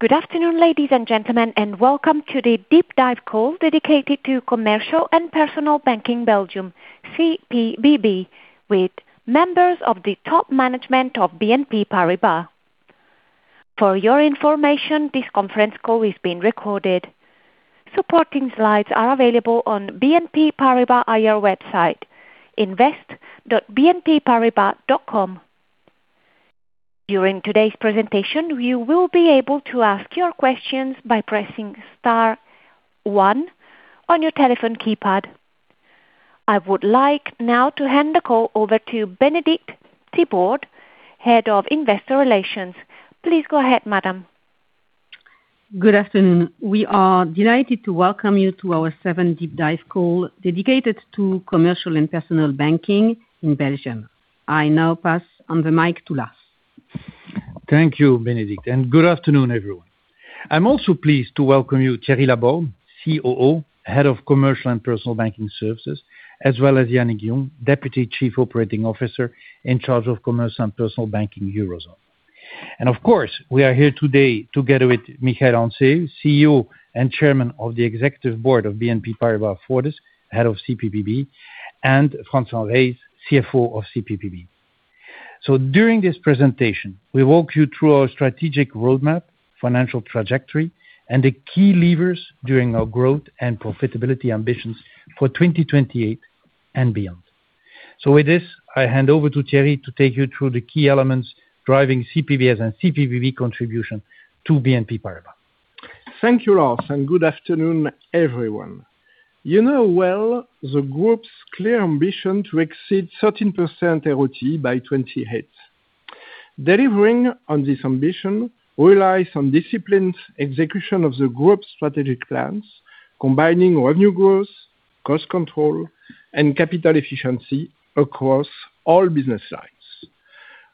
Good afternoon, ladies and gentlemen, and welcome to the Deep Dive call dedicated to Commercial and Personal Banking Belgium, CPBB, with members of the top management of BNP Paribas. For your information, this conference call is being recorded. Supporting slides are available on BNP Paribas IR website, invest.bnpparibas.com. During today's presentation, you will be able to ask your questions by pressing star one on your telephone keypad. I would like now to hand the call over to Bénédicte Thibord, Head of Investor Relations. Please go ahead, madam. Good afternoon. We are delighted to welcome you to our seventh Deep Dive call dedicated to Commercial and Personal Banking in Belgium. I now pass on the mic to Lars. Thank you, Bénédicte. Good afternoon, everyone. I'm also pleased to welcome you, Thierry Laborde, COO, Head of Commercial and Personal Banking Services, as well as Yannick Jung, Deputy Chief Operating Officer in charge of Commerce and Personal Banking, Eurozone. Of course, we are here today together with Michael Anseeuw, CEO and Chairman of the Executive Board of BNP Paribas Fortis, Head of CPBB, and Franciane Rays, CFO of CPBB. During this presentation, we walk you through our strategic roadmap, financial trajectory, and the key levers during our growth and profitability ambitions for 2028 and beyond. With this, I hand over to Thierry to take you through the key elements driving CPBS and CPBB contribution to BNP Paribas. Thank you, Lars, and good afternoon, everyone. You know well the Group's clear ambition to exceed 13% ROTE by 2028. Delivering on this ambition relies on disciplined execution of the Group's strategic plans, combining revenue growth, cost control, and capital efficiency across all business lines.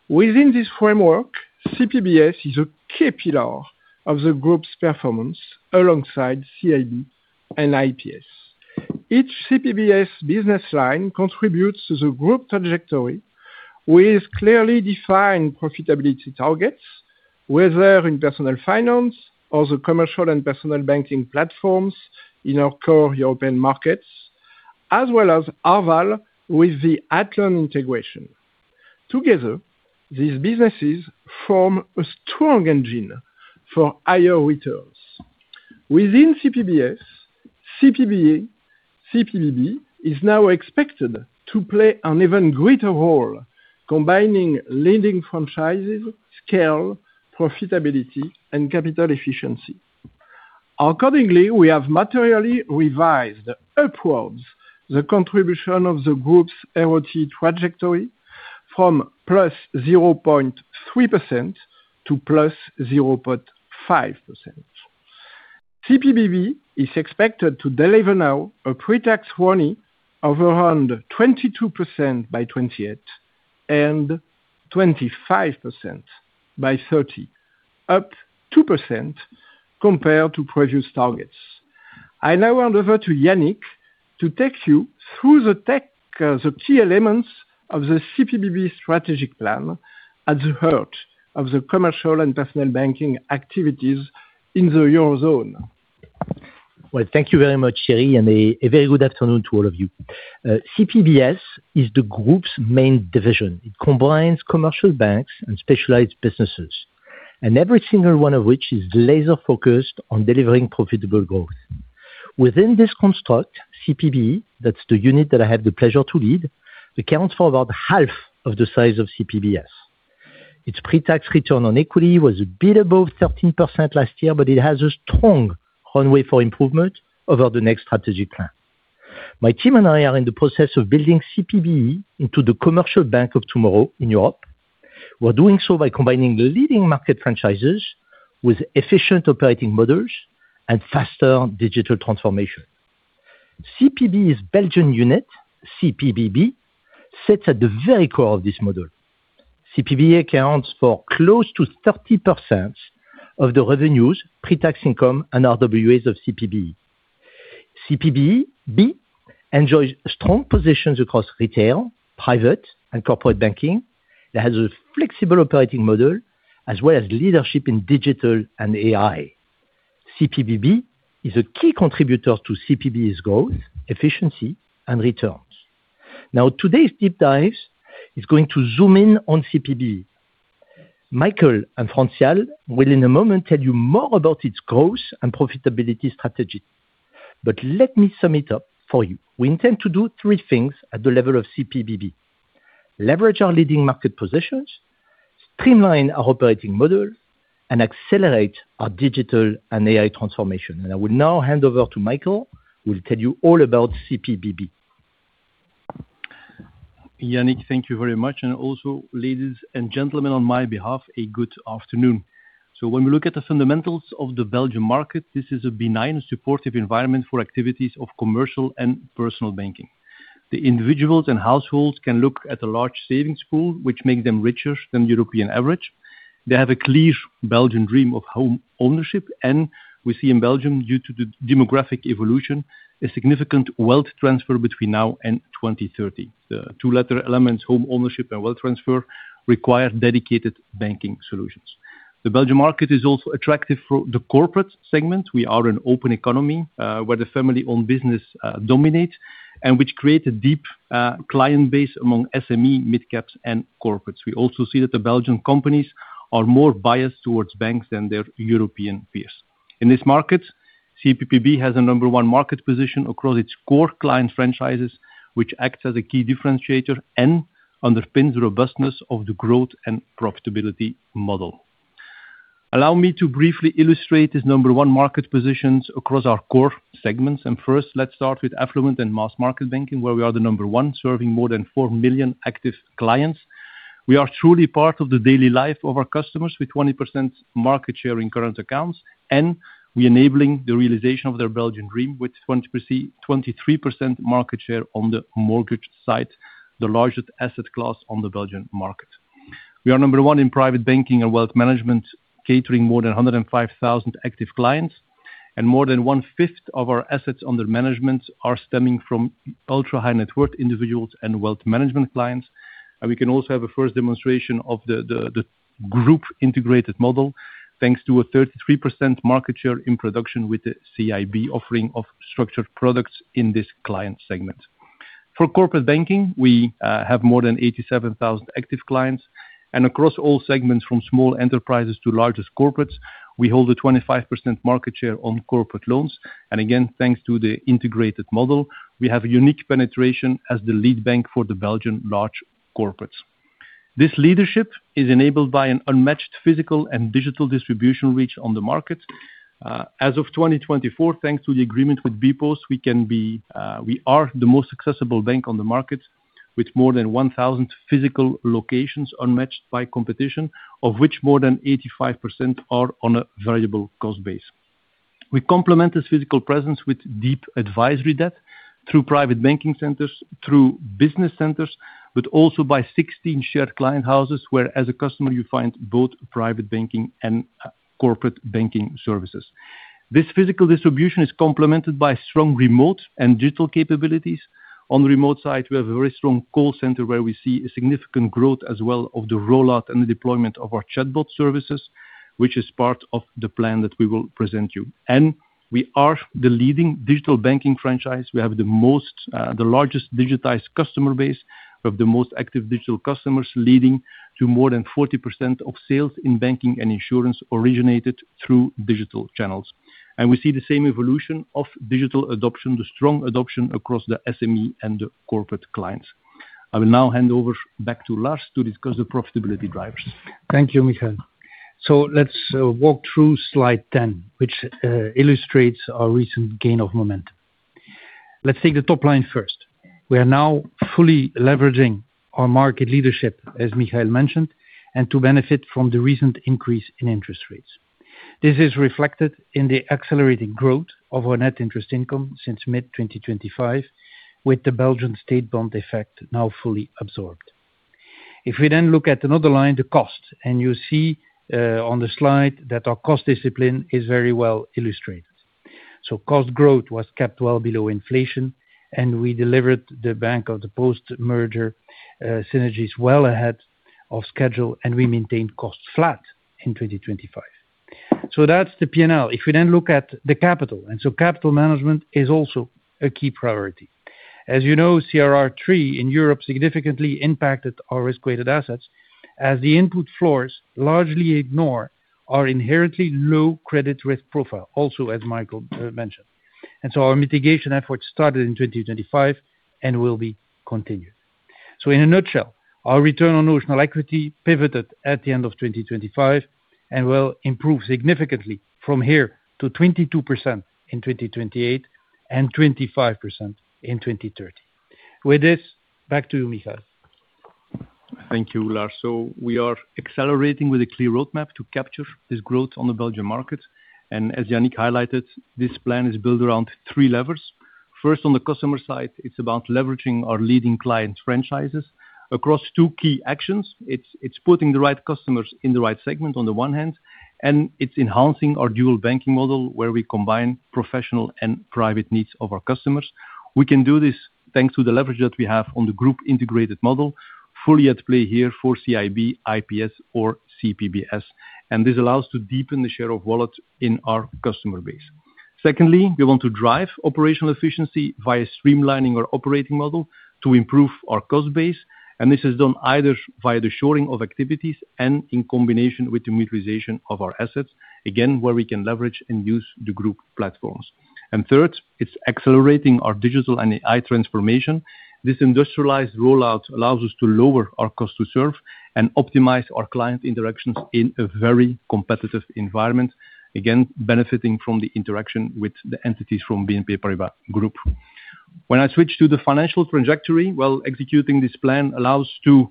Within this framework, CPBS is a key pillar of the Group's performance alongside CIB and IPS. Each CPBS business line contributes to the Group trajectory with clearly defined profitability targets, whether in Personal Finance or the Commercial and Personal Banking platforms in our core European markets, as well as Arval with the Ayvens integration. Together, these businesses form a strong engine for higher returns. Within CPBS, CPBB is now expected to play an even greater role, combining leading franchises, scale, profitability, and capital efficiency. Accordingly, we have materially revised upwards the contribution of the Group's ROTE trajectory from plus 0.3% to plus 0.5%. CPBB is expected to deliver now a pre-tax ROE of around 22% by 2028 and 25% by 2030, up 2% compared to previous targets. I now hand over to Yannick to take you through the tech, the key elements of the CPBB strategic plan at the heart of the commercial and personal banking activities in the Eurozone. Well, thank you very much, Thierry, and a very good afternoon to all of you. CPBS is the Group's main division. It combines commercial banks and specialized businesses, and every single one of which is laser-focused on delivering profitable growth. Within this construct, CPB, that's the unit that I have the pleasure to lead, accounts for about half of the size of CPBS. Its pre-tax return on equity was a bit above 13% last year, but it has a strong runway for improvement over the next strategic plan. My team and I are in the process of building CPB into the commercial bank of tomorrow in Europe. We're doing so by combining leading market franchises with efficient operating models and faster digital transformation. CPB's Belgian unit, CPBB, sits at the very core of this model. CPB accounts for close to 30% of the revenues, pre-tax income, and RWAs of CPB. CPBB enjoys strong positions across retail, private, and corporate banking that has a flexible operating model as well as leadership in digital and AI. CPBB is a key contributor to CPB's growth, efficiency, and returns. Today's Deep Dive is going to zoom in on CPB. Michael and Franciane will, in a moment, tell you more about its growth and profitability strategy. Let me sum it up for you. We intend to do three things at the level of CPBB: leverage our leading market positions, streamline our operating model, and accelerate our digital and AI transformation. I will now hand over to Michael, who will tell you all about CPBB. Yannick, thank you very much. Also, ladies and gentlemen, on my behalf, a good afternoon. When we look at the fundamentals of the Belgium market, this is a benign, supportive environment for activities of commercial and personal banking. The individuals and households can look at a large savings pool, which make them richer than European average. They have a clear Belgian dream of home ownership. We see in Belgium, due to the demographic evolution, a significant wealth transfer between now and 2030. The two latter elements, home ownership and wealth transfer, require dedicated banking solutions. The Belgian market is also attractive for the corporate segment. We are an open economy where the family-owned business dominates and which creates a deep client base among SME, midcaps, and corporates. We also see that the Belgian companies are more biased towards banks than their European peers. In this market, CPBB has a number one market position across its core client franchises, which acts as a key differentiator and underpins robustness of the growth and profitability model. Allow me to briefly illustrate this number one market positions across our core segments. First, let's start with affluent and mass market banking, where we are the number one serving more than 4 million active clients. We are truly part of the daily life of our customers with 20% market share in current accounts, and we enabling the realization of their Belgian dream with 23% market share on the mortgage side, the largest asset class on the Belgian market. We are number one in private banking and wealth management, catering more than 105,000 active clients, and more than one fifth of our assets under management are stemming from ultra high net worth individuals and wealth management clients. We can also have a first demonstration of the group integrated model thanks to a 33% market share in production with the CIB offering of structured products in this client segment. For corporate banking, we have more than 87,000 active clients and across all segments from small enterprises to largest corporates, we hold a 25% market share on corporate loans. Again, thanks to the integrated model, we have a unique penetration as the lead bank for the Belgian large corporates. This leadership is enabled by an unmatched physical and digital distribution reach on the market. As of 2024, thanks to the agreement with Bpost, we are the most accessible bank on the market with more than 1,000 physical locations unmatched by competition, of which more than 85% are on a variable cost base. We complement this physical presence with deep advisory debt through private banking centers, through business centers, but also by 16 shared client houses, where as a customer, you find both private banking and corporate banking services. This physical distribution is complemented by strong remote and digital capabilities. On the remote side, we have a very strong call center where we see a significant growth as well of the rollout and the deployment of our chatbot services, which is part of the plan that we will present you. We are the leading digital banking franchise. We have the largest digitized customer base. We have the most active digital customers, leading to more than 40% of sales in banking and insurance originated through digital channels. We see the same evolution of digital adoption, the strong adoption across the SME and the corporate clients. I will now hand over back to Lars to discuss the profitability drivers. Thank you, Michael. Let's walk through slide 10, which illustrates our recent gain of momentum. Let's take the top line first. We are now fully leveraging our market leadership, as Michael mentioned, and to benefit from the recent increase in interest rates. This is reflected in the accelerating growth of our net interest income since mid-2025, with the Belgian state bond effect now fully absorbed. If we look at another line, the cost, you see on the slide that our cost discipline is very well illustrated. Cost growth was kept well below inflation, and we delivered the bpost Bank merger synergies well ahead of schedule, and we maintained costs flat in 2025. That's the P&L. If we look at the capital management is also a key priority. As you know, CRR3 in Europe significantly impacted our risk-weighted assets as the input floors largely ignore our inherently low credit risk profile, also as Michael mentioned. Our mitigation efforts started in 2025 and will be continued. In a nutshell, our Return On Notional Equity pivoted at the end of 2025 and will improve significantly from here to 22% in 2028 and 25% in 2030. With this, back to you, Michael. Thank you, Lars. We are accelerating with a clear roadmap to capture this growth on the Belgian market. As Yannick highlighted, this plan is built around three levers. First, on the customer side, it's about leveraging our leading client franchises across two key actions. It's putting the right customers in the right segment on the one hand, and it's enhancing our dual banking model where we combine professional and private needs of our customers. We can do this thanks to the leverage that we have on the group integrated model fully at play here for CIB, IPS or CPBS, and this allows to deepen the share of wallet in our customer base. We want to drive operational efficiency via streamlining our operating model to improve our cost base, and this is done either via the shoring of activities and in combination with the mutualization of our assets, again, where we can leverage and use the group platforms. Third, it's accelerating our digital and AI transformation. This industrialized rollout allows us to lower our cost to serve and optimize our client interactions in a very competitive environment, again, benefiting from the interaction with the entities from BNP Paribas group. When I switch to the financial trajectory, while executing this plan allows to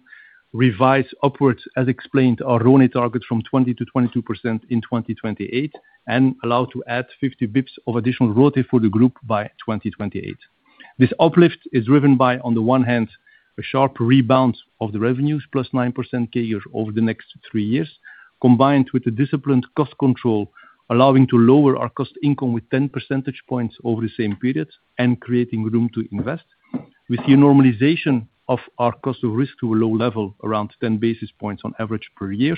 revise upwards as explained our RONE target from 20%-22% in 2028 and allow to add 50 basis points of additional ROTE for the group by 2028. This uplift is driven by, on the one hand, a sharp rebound of the revenues, +9% CAGR over the next three years, combined with the disciplined cost control, allowing to lower our cost income with 10 percentage points over the same period, and creating room to invest. We see normalization of our cost of risk to a low level, around 10 basis points on average per year,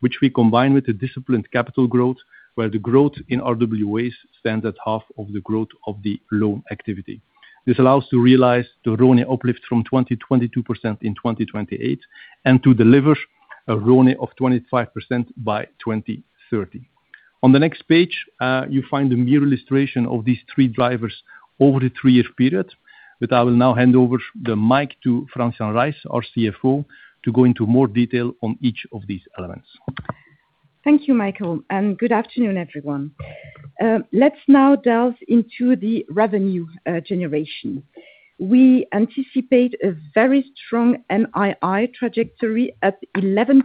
which we combine with a disciplined capital growth, where the growth in RWAs stands at half of the growth of the loan activity. This allows to realize the ROAE uplift from 2022% in 2028, and to deliver a ROAE of 25% by 2030. On the next page, you find a mere illustration of these three drivers over the three-year period. With that, I will now hand over the mic to Franciane Rays, our CFO, to go into more detail on each of these elements. Thank you, Michael, and good afternoon, everyone. Let's now delve into the revenue generation. We anticipate a very strong NII trajectory at 11%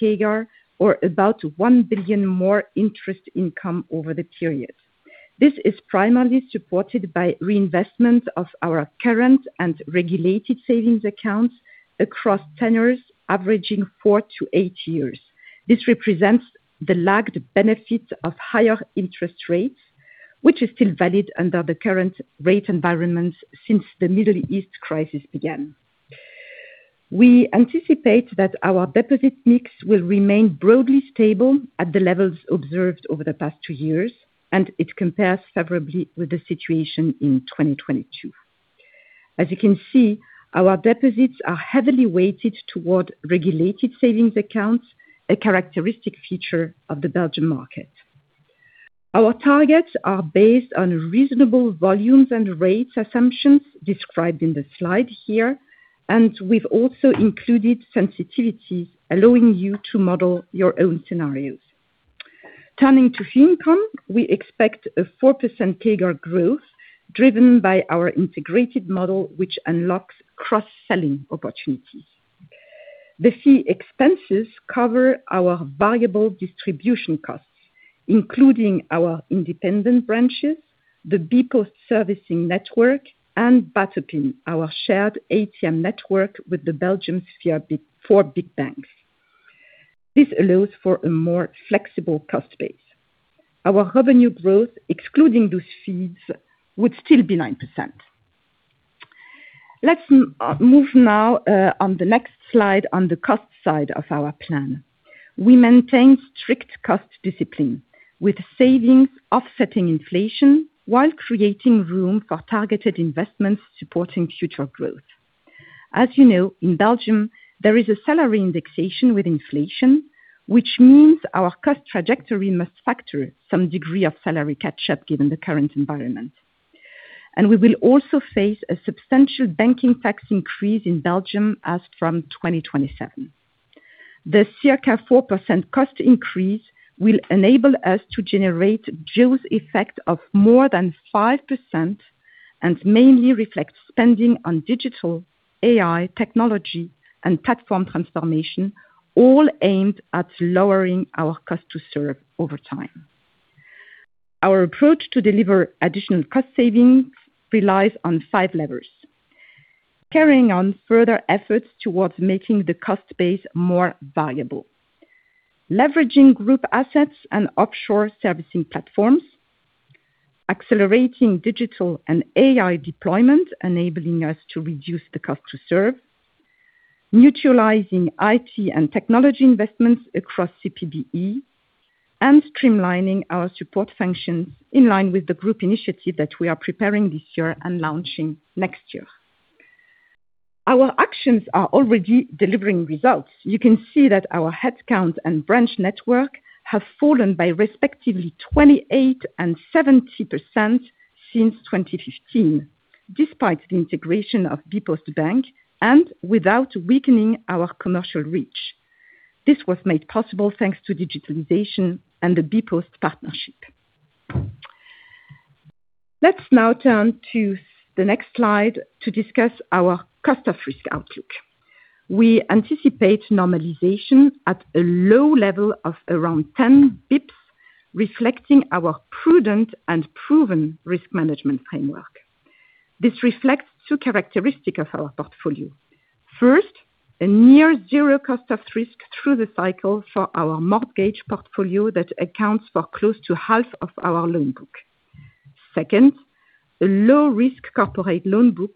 CAGR or about 1 billion more interest income over the period. This is primarily supported by reinvestment of our current and regulated savings accounts across tenures averaging four to eight years. This represents the lagged benefit of higher interest rates, which is still valid under the current rate environment since the Middle East crisis began. We anticipate that our deposit mix will remain broadly stable at the levels observed over the past two years, and it compares favorably with the situation in 2022. As you can see, our deposits are heavily weighted toward regulated savings accounts, a characteristic feature of the Belgium market. Our targets are based on reasonable volumes and rates assumptions described in the slide here, and we've also included sensitivity allowing you to model your own scenarios. Turning to fee income, we expect a 4% CAGR growth driven by our integrated model, which unlocks cross-selling opportunities. The fee expenses cover our variable distribution costs, including our independent branches, the bpost servicing network, and Batopin, our shared ATM network with Belgium's four big banks. This allows for a more flexible cost base. Our revenue growth, excluding those fees, would still be 9%. Let's move now on the next slide on the cost side of our plan. We maintain strict cost discipline with savings offsetting inflation while creating room for targeted investments supporting future growth. As you know, in Belgium, there is a salary indexation with inflation, which means our cost trajectory must factor some degree of salary catch-up given the current environment. We will also face a substantial banking tax increase in Belgium as from 2027. The circa 4% cost increase will enable us to generate jaws effect of more than 5% and mainly reflect spending on digital, AI, technology, and platform transformation, all aimed at lowering our cost to serve over time. Our approach to deliver additional cost saving relies on five levers. Carrying on further efforts towards making the cost base more variable. Leveraging group assets and offshore servicing platforms. Accelerating digital and AI deployment, enabling us to reduce the cost to serve. Mutualizing IT and technology investments across CPBB, and streamlining our support functions in line with the group initiative that we are preparing this year and launching next year. Our actions are already delivering results. You can see that our headcount and branch network have fallen by respectively 28% and 70% since 2015, despite the integration of bpost Bank and without weakening our commercial reach. This was made possible thanks to digitalization and the Bpost partnership. Let's now turn to the next slide to discuss our cost of risk outlook. We anticipate normalization at a low level of around 10 basis points, reflecting our prudent and proven risk management framework. This reflects two characteristic of our portfolio. First, a near zero cost of risk through the cycle for our mortgage portfolio that accounts for close to half of our loan book. Second, a low-risk corporate loan book,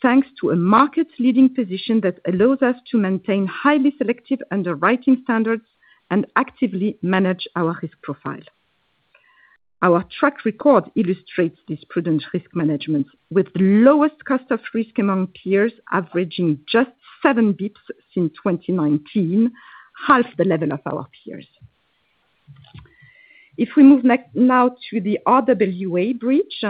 thanks to a market-leading position that allows us to maintain highly selective underwriting standards and actively manage our risk profile. Our track record illustrates this prudent risk management, with the lowest cost of risk among peers averaging just seven basis points since 2019, half the level of our peers. We move now to the RWA bridge,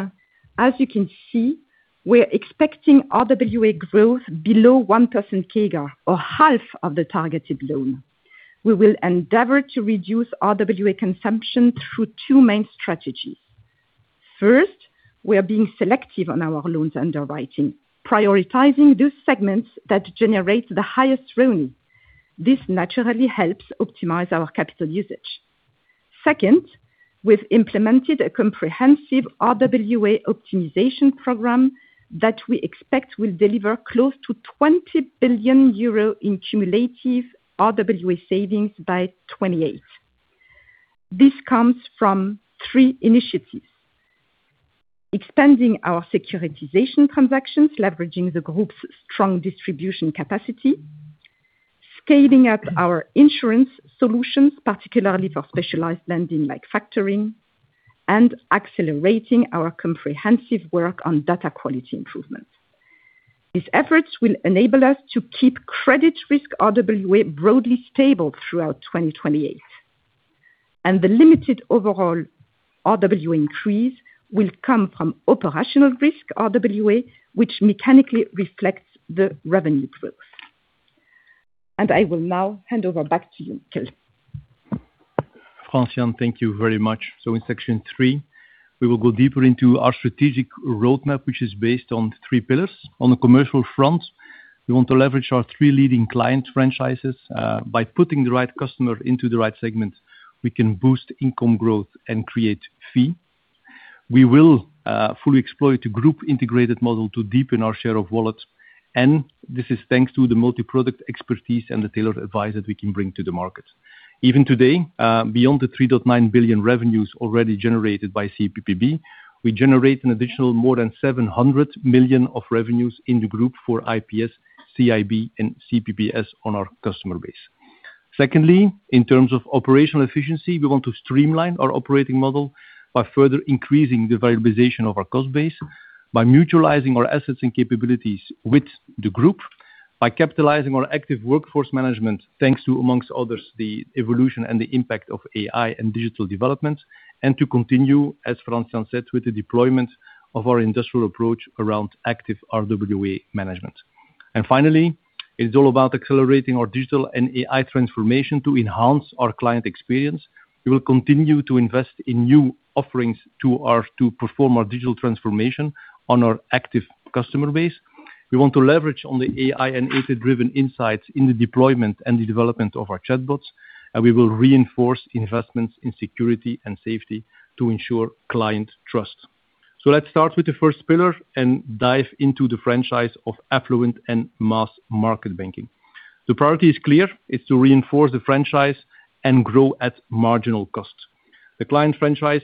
as you can see, we're expecting RWA growth below 1% CAGR or half of the targeted loan. We will endeavor to reduce RWA consumption through two main strategies. First, we are being selective on our loans underwriting, prioritizing those segments that generate the highest ROAE. This naturally helps optimize our capital usage. Second, we've implemented a comprehensive RWA optimization program that we expect will deliver close to 20 billion euro in cumulative RWA savings by 2028. This comes from three initiatives, expanding our securitization transactions, leveraging the group's strong distribution capacity, scaling up our insurance solutions, particularly for specialized lending like factoring, and accelerating our comprehensive work on data quality improvements. These efforts will enable us to keep credit risk RWA broadly stable throughout 2028. The limited overall RWA increase will come from operational risk RWA, which mechanically reflects the revenue growth. I will now hand over back to you, Michael Franciane, thank you very much. In section three, we will go deeper into our strategic roadmap, which is based on three pillars. On the commercial front, we want to leverage our three leading client franchises. By putting the right customer into the right segment, we can boost income growth and create fee. We will fully exploit the group integrated model to deepen our share of wallet, and this is thanks to the multi-product expertise and the tailored advice that we can bring to the market. Even today, beyond the 3.9 billion revenues already generated by CPBB, we generate an additional more than 700 million of revenues in the group for IPS, CIB, and CPBS on our customer base. Secondly, in terms of operational efficiency, we want to streamline our operating model by further increasing the valorization of our cost base by mutualizing our assets and capabilities with the group, by capitalizing our active workforce management, thanks to, among others, the evolution and the impact of AI and digital development, and to continue, as Franciane said, with the deployment of our industrial approach around active RWA management. Finally, it's all about accelerating our digital and AI transformation to enhance our client experience. We will continue to invest in new offerings to perform our digital transformation on our active customer base. We want to leverage on the AI and data-driven insights in the deployment and the development of our chatbots, and we will reinforce investments in security and safety to ensure client trust. Let's start with the first pillar and dive into the franchise of affluent and mass market banking. The priority is clear. It's to reinforce the franchise and grow at marginal cost. The client franchise,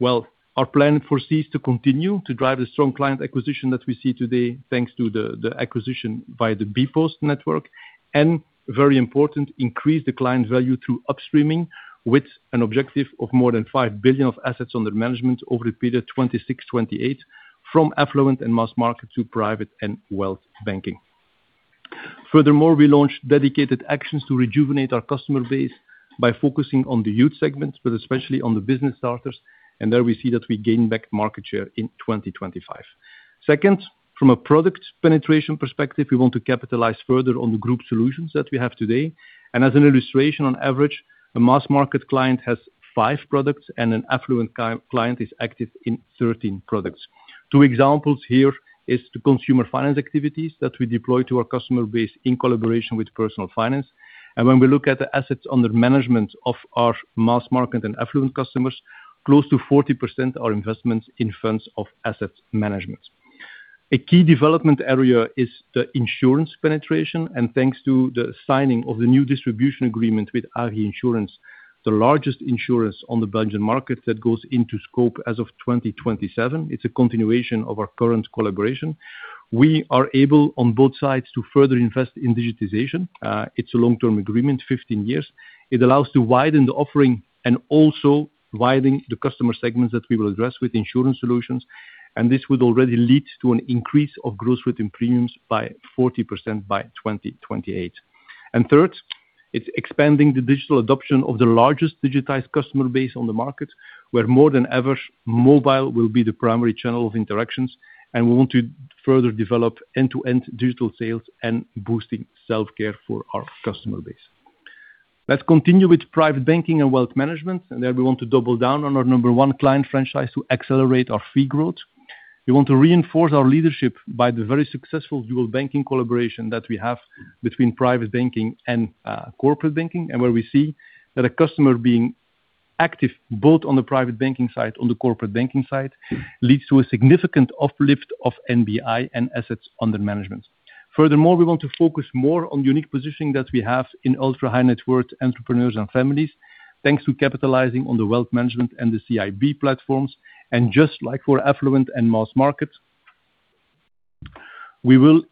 well, our plan foresees to continue to drive the strong client acquisition that we see today, thanks to the acquisition via the Bpost network, and very important, increase the client value through upstreaming with an objective of more than 5 billion of assets under management over the period 2026, 2028 from affluent and mass market to private and wealth banking. Furthermore, we launched dedicated actions to rejuvenate our customer base by focusing on the youth segment, but especially on the business starters. There we see that we gain back market share in 2025. Second, from a product penetration perspective, we want to capitalize further on the group solutions that we have today. As an illustration, on average, a mass market client has five products, and an affluent client is active in 13 products. Two examples here is the consumer finance activities that we deploy to our customer base in collaboration with Personal Finance. When we look at the assets under management of our mass market and affluent customers, close to 40% are investments in funds of Asset Management. A key development area is the insurance penetration, thanks to the signing of the new distribution agreement with AG Insurance, the largest insurance on the Belgian market that goes into scope as of 2027. It's a continuation of our current collaboration. We are able, on both sides, to further invest in digitization. It's a long-term agreement, 15 years. It allows to widen the offering and also widen the customer segments that we will address with insurance solutions. This would already lead to an increase of gross written premiums by 40% by 2028. Third, it's expanding the digital adoption of the largest digitized customer base on the market, where more than ever, mobile will be the primary channel of interactions, and we want to further develop end-to-end digital sales and boosting self-care for our customer base. Let's continue with private banking and wealth management. There we want to double down on our number one client franchise to accelerate our fee growth. We want to reinforce our leadership by the very successful dual banking collaboration that we have between private banking and corporate banking, and where we see that a customer being active both on the private banking side, on the corporate banking side, leads to a significant uplift of NBI and assets under management. Furthermore, we want to focus more on unique positioning that we have in ultra-high net worth entrepreneurs and families, thanks to capitalizing on the wealth management and the CIB platforms. Just like for affluent and mass market, we will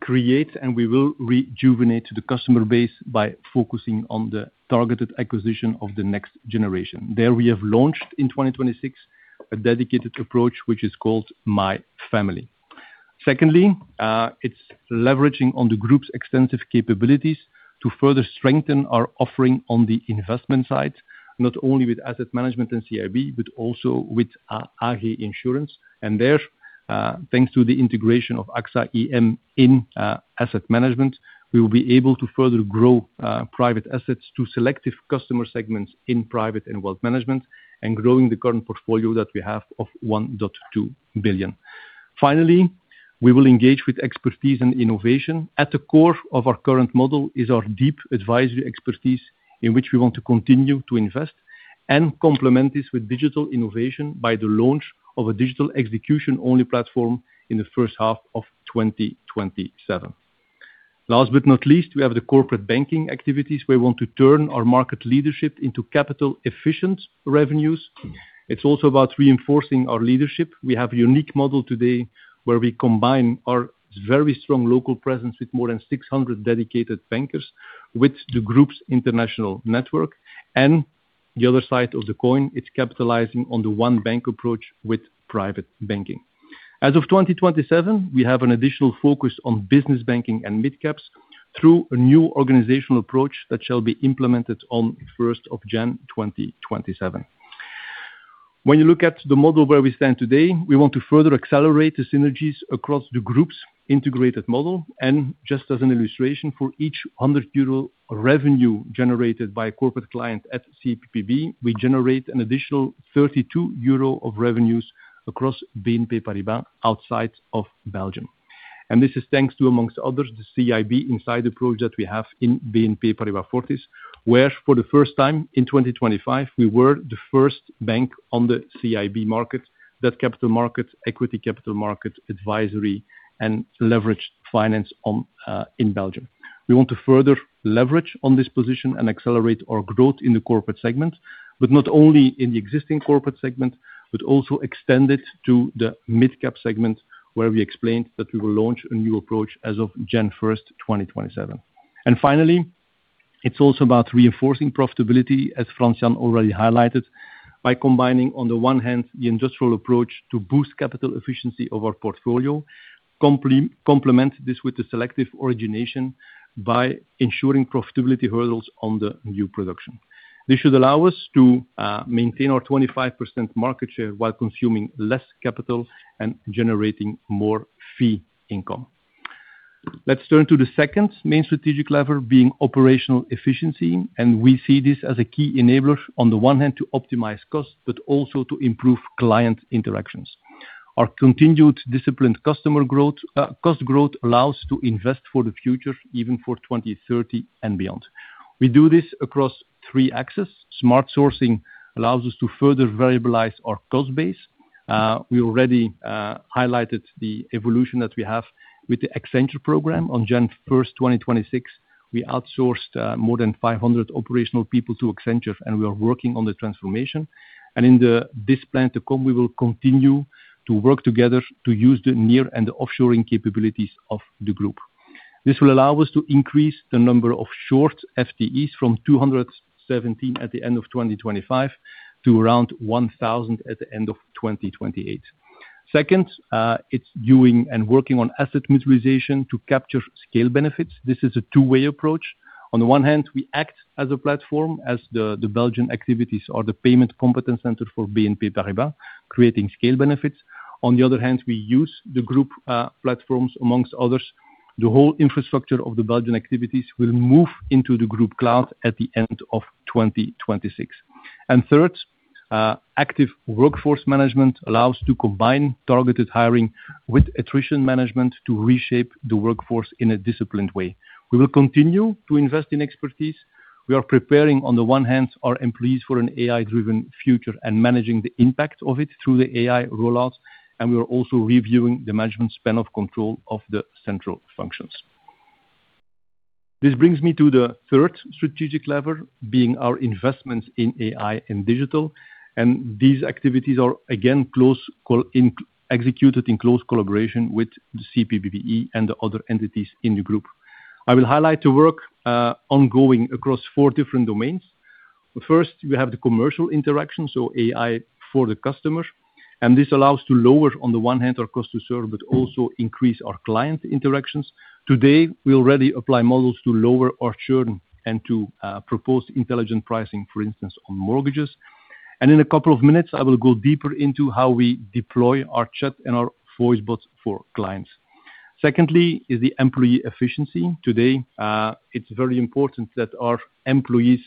create and we will rejuvenate the customer base by focusing on the targeted acquisition of the next generation. There we have launched in 2026 a dedicated approach, which is called My Family. It's leveraging on the group's extensive capabilities to further strengthen our offering on the investment side, not only with Asset Management and CIB, but also with AG Insurance. There, thanks to the integration of AXA IM in Asset Management, we will be able to further grow private assets to selective customer segments in private and wealth management and growing the current portfolio that we have of 1.2 billion. We will engage with expertise and innovation. At the core of our current model is our deep advisory expertise in which we want to continue to invest and complement this with digital innovation by the launch of a digital execution-only platform in the first half of 2027. Last but not least, we have the corporate banking activities where we want to turn our market leadership into capital efficient revenues. It's also about reinforcing our leadership. We have a unique model today where we combine our very strong local presence with more than 600 dedicated bankers with the group's international network. The other side of the coin, it's capitalizing on the one bank approach with private banking. As of 2027, we have an additional focus on business banking and midcaps through a new organizational approach that shall be implemented on the 1st of January 2027. When you look at the model where we stand today, we want to further accelerate the synergies across the group's integrated model. Just as an illustration, for each 100 euro revenue generated by a corporate client at CPBB, we generate an additional 32 euro of revenues across BNP Paribas outside of Belgium. This is thanks to, amongst others, the CIB inside approach that we have in BNP Paribas Fortis, where for the first time in 2025, we were the first bank on the CIB market, that capital markets, equity capital market advisory and leveraged finance in Belgium. We want to further leverage on this position and accelerate our growth in the corporate segment, but not only in the existing corporate segment, but also extend it to the midcap segment where we explained that we will launch a new approach as of January 1st, 2027. Finally, it's also about reinforcing profitability, as Franciane already highlighted, by combining, on the one hand, the industrial approach to boost capital efficiency of our portfolio, complement this with the selective origination by ensuring profitability hurdles on the new production. This should allow us to maintain our 25% market share while consuming less capital and generating more fee income. Let's turn to the second main strategic lever being operational efficiency. We see this as a key enabler on the one hand to optimize cost, but also to improve client interactions. Our continued disciplined cost growth allows to invest for the future, even for 2030 and beyond. We do this across three axes. Smart sourcing allows us to further variabilize our cost base. We already highlighted the evolution that we have with the Accenture program. On January 1st, 2026, we outsourced more than 500 operational people to Accenture. We are working on the transformation. In this plan to come, we will continue to work together to use the near and the offshoring capabilities of the group. This will allow us to increase the number of short FTEs from 217 at the end of 2025 to around 1,000 at the end of 2028. Second, it's doing and working on asset mutualization to capture scale benefits. This is a two-way approach. On the one hand, we act as a platform as the Belgian activities or the payment competence center for BNP Paribas, creating scale benefits. On the other hand, we use the group platforms, amongst others. The whole infrastructure of the Belgian activities will move into the group cloud at the end of 2026. Third, active workforce management allows to combine targeted hiring with attrition management to reshape the workforce in a disciplined way. We will continue to invest in expertise. We are preparing, on the one hand, our employees for an AI-driven future and managing the impact of it through the AI rollout. We are also reviewing the management span of control of the central functions. This brings me to the third strategic lever being our investments in AI and digital. These activities are again executed in close collaboration with the CPBB and the other entities in the group. I will highlight the work ongoing across four different domains. First, we have the commercial interaction, so AI for the customer. This allows to lower, on the one hand, our cost to serve. Also increase our client interactions. Today, we already apply models to lower our churn and to propose intelligent pricing, for instance, on mortgages. In a couple of minutes, I will go deeper into how we deploy our chat and our voice bots for clients. Secondly is the employee efficiency. Today, it's very important that our employees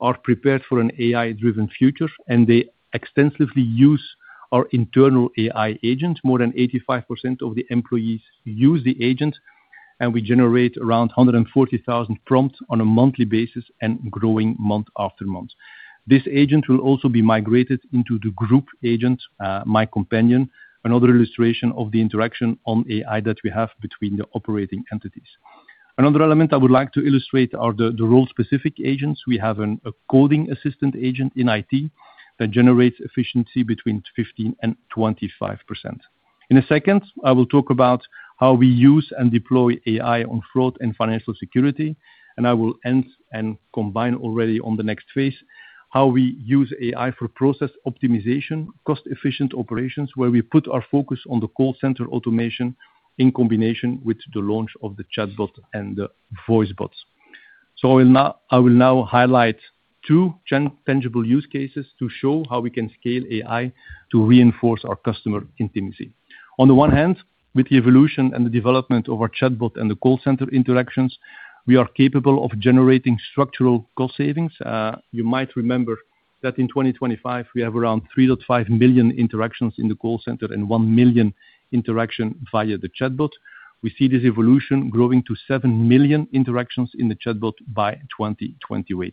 are prepared for an AI-driven future, and they extensively use our internal AI agent. More than 85% of the employees use the agent, and we generate around 140,000 prompts on a monthly basis and growing month after month. This agent will also be migrated into the group agent, myCompanion, another illustration of the interaction on AI that we have between the operating entities. Another element I would like to illustrate are the role-specific agents. We have a coding assistant agent in IT that generates efficiency between 15% and 25%. In a second, I will talk about how we use and deploy AI on fraud and financial security, and I will end and combine already on the next phase, how we use AI for process optimization, cost-efficient operations, where we put our focus on the call center automation in combination with the launch of the chatbot and the voice bots. I will now highlight two tangible use cases to show how we can scale AI to reinforce our customer intimacy. On the one hand, with the evolution and the development of our chatbot and the call center interactions. We are capable of generating structural cost savings. You might remember that in 2025, we have around 3.5 million interactions in the call center and 1 million interaction via the chatbot. We see this evolution growing to 7 million interactions in the chatbot by 2028.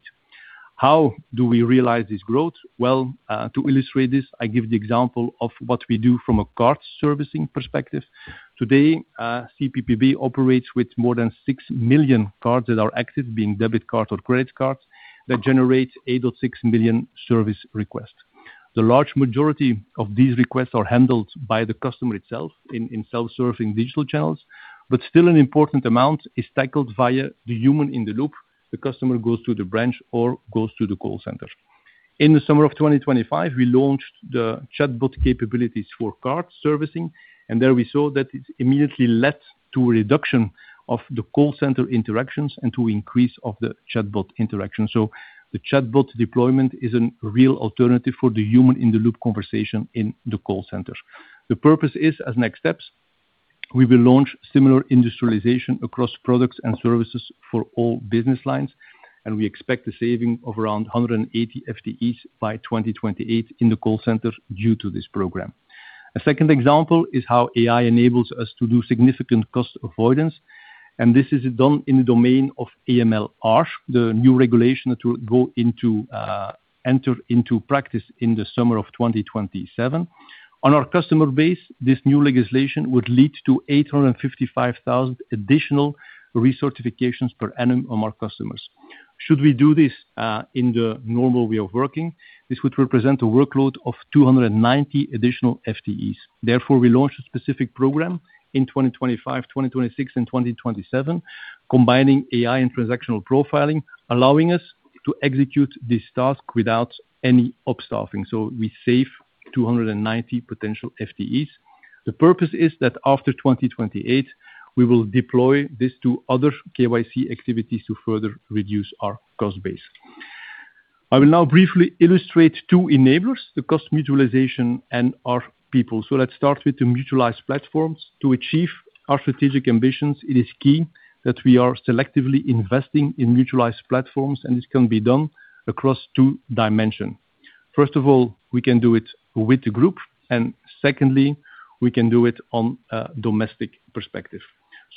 How do we realize this growth? Well, to illustrate this, I give the example of what we do from a card servicing perspective. Today, CPBB operates with more than 6 million cards that are active, being debit cards or credit cards, that generate 8.6 million service requests. The large majority of these requests are handled by the customer itself in self-serving digital channels, an important amount is tackled via the human-in-the-loop. The customer goes to the branch or goes to the call center. In the summer of 2025, we launched the chatbot capabilities for card servicing, there we saw that it immediately led to a reduction of the call center interactions and to increase of the chatbot interaction. The chatbot deployment is a real alternative for the human-in-the-loop conversation in the call center. The purpose is, as next steps, we will launch similar industrialization across products and services for all business lines, and we expect a saving of around 180 FTEs by 2028 in the call center due to this program. A second example is how AI enables us to do significant cost avoidance, and this is done in the domain of AMLR, the new regulation that will enter into practice in the summer of 2027. On our customer base, this new legislation would lead to 855,000 additional recertifications per annum on our customers. Should we do this in the normal way of working, this would represent a workload of 290 additional FTEs. Therefore, we launched a specific program in 2025, 2026, and 2027, combining AI and transactional profiling, allowing us to execute this task without any upstaffing. We save 290 potential FTEs. The purpose is that after 2028, we will deploy this to other KYC activities to further reduce our cost base. I will now briefly illustrate two enablers, the cost mutualization and our people. Let's start with the mutualized platforms. To achieve our strategic ambitions, it is key that we are selectively investing in mutualized platforms, and this can be done across two dimensions. First of all, we can do it with the group, and secondly, we can do it on a domestic perspective.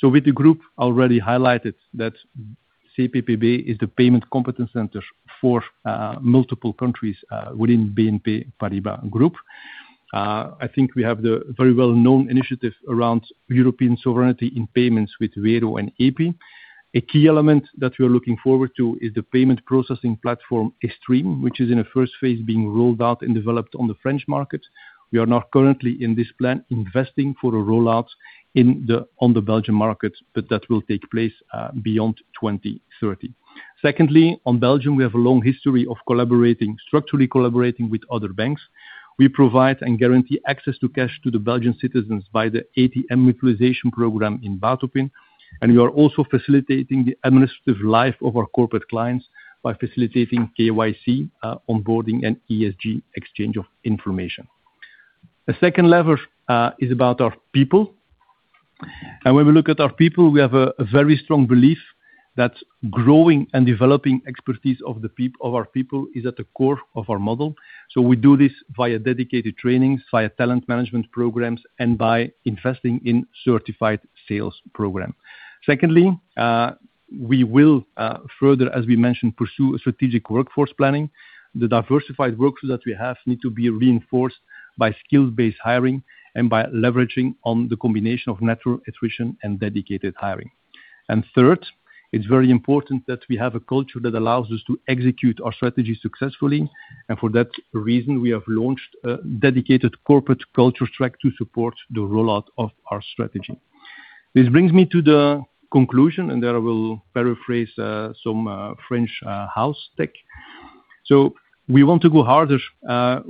With the group already highlighted that CPBB is the payment competence center for multiple countries within BNP Paribas group. I think we have the very well-known initiative around European sovereignty in payments with Wero and EPI. A key element that we are looking forward to is the payment processing platform, Estreem, which is in a first phase being rolled out and developed on the French market. We are now currently in this plan, investing for a rollout on the Belgian market, but that will take place beyond 2030. Secondly, on Belgium, we have a long history of structurally collaborating with other banks. We provide and guarantee access to cash to the Belgian citizens by the ATM mutualization program in Batopin, and we are also facilitating the administrative life of our corporate clients by facilitating KYC onboarding and ESG exchange of information. The second lever is about our people. When we look at our people, we have a very strong belief that growing and developing expertise of our people is at the core of our model. We do this via dedicated trainings, via talent management programs, and by investing in certified sales program. Secondly, we will further, as we mentioned, pursue a strategic workforce planning. The diversified workforce that we have need to be reinforced by skills-based hiring and by leveraging on the combination of natural attrition and dedicated hiring. Third, it's very important that we have a culture that allows us to execute our strategy successfully, and for that reason, we have launched a dedicated corporate culture track to support the rollout of our strategy. This brings me to the conclusion, and there I will paraphrase some French house tech. We want to go harder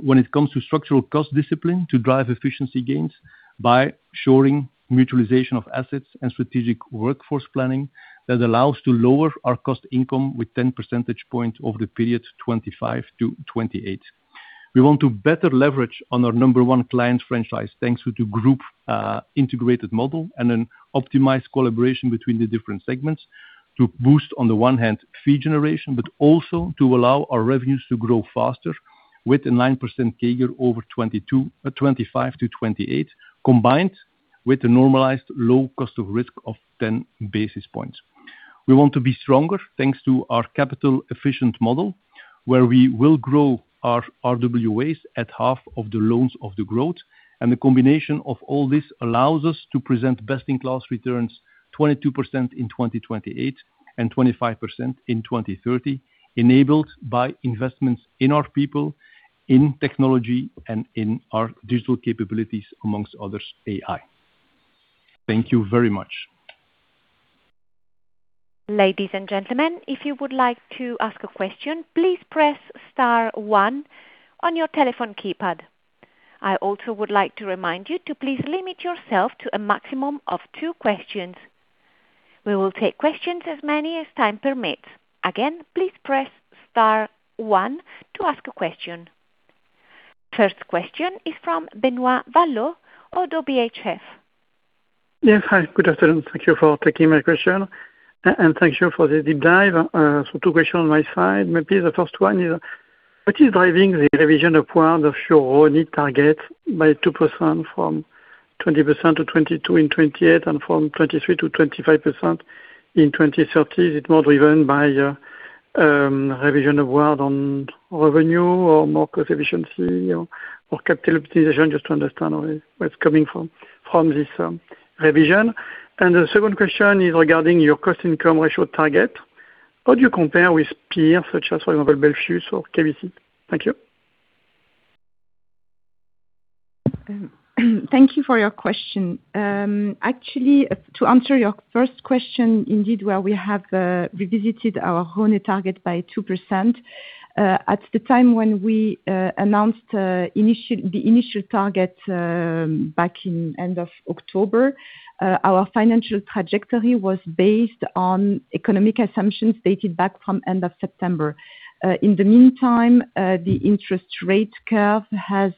when it comes to structural cost discipline to drive efficiency gains by shoring mutualization of assets and strategic workforce planning that allows to lower our cost income with 10 percentage points over the period 2025-2028. We want to better leverage on our number one client franchise, thanks to group integrated model and an optimized collaboration between the different segments to boost, on the one hand, fee generation, but also to allow our revenues to grow faster with a 9% CAGR over 2025 to 2028, combined with the normalized low cost of risk of 10 basis points. We want to be stronger, thanks to our capital efficient model, where we will grow our RWAs at half of the loans of the growth. The combination of all this allows us to present best-in-class returns, 22% in 2028 and 25% in 2030, enabled by investments in our people, in technology, and in our digital capabilities, amongst others, AI. Thank you very much. Ladies and gentlemen, if you would like to ask a question, please press star one on your telephone keypad. I also would like to remind you to please limit yourself to a maximum of two questions. We will take questions as many as time permits. Again, please press star one to ask a question. First question is from Benoît Valleaux, Oddo BHF. Yes. Hi, good afternoon. Thank you for taking my question, and thank you for the deep dive. Two question on my side, maybe the first one is, what is driving the revision of planned of your ROE target by 2% from 20%-22% in 2028, and from 23%-25% in 2030? Is it more driven by revision of work on revenue or more cost efficiency or capital optimization? Just to understand where it's coming from, this revision. The second question is regarding your cost-income ratio target. How do you compare with peers such as, for example, Belfius or KBC? Thank you. Thank you for your question. Actually, to answer your first question, indeed, where we have revisited our ROE target by 2%. At the time when we announced the initial target back in end of October, our financial trajectory was based on economic assumptions dated back from end of September. In the meantime, the interest rate curve has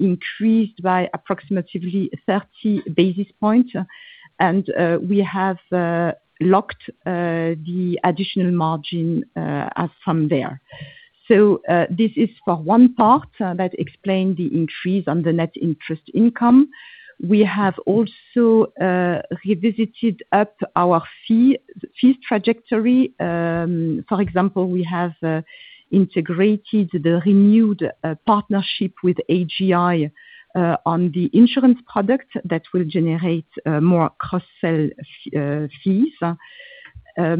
increased by approximately 30 basis points. We have locked the additional margin as from there. This is for one part that explained the increase on the net interest income. We have also revisited up our fees trajectory. For example, we have integrated the renewed partnership with AGI on the insurance product that will generate more cross-sell fees. That's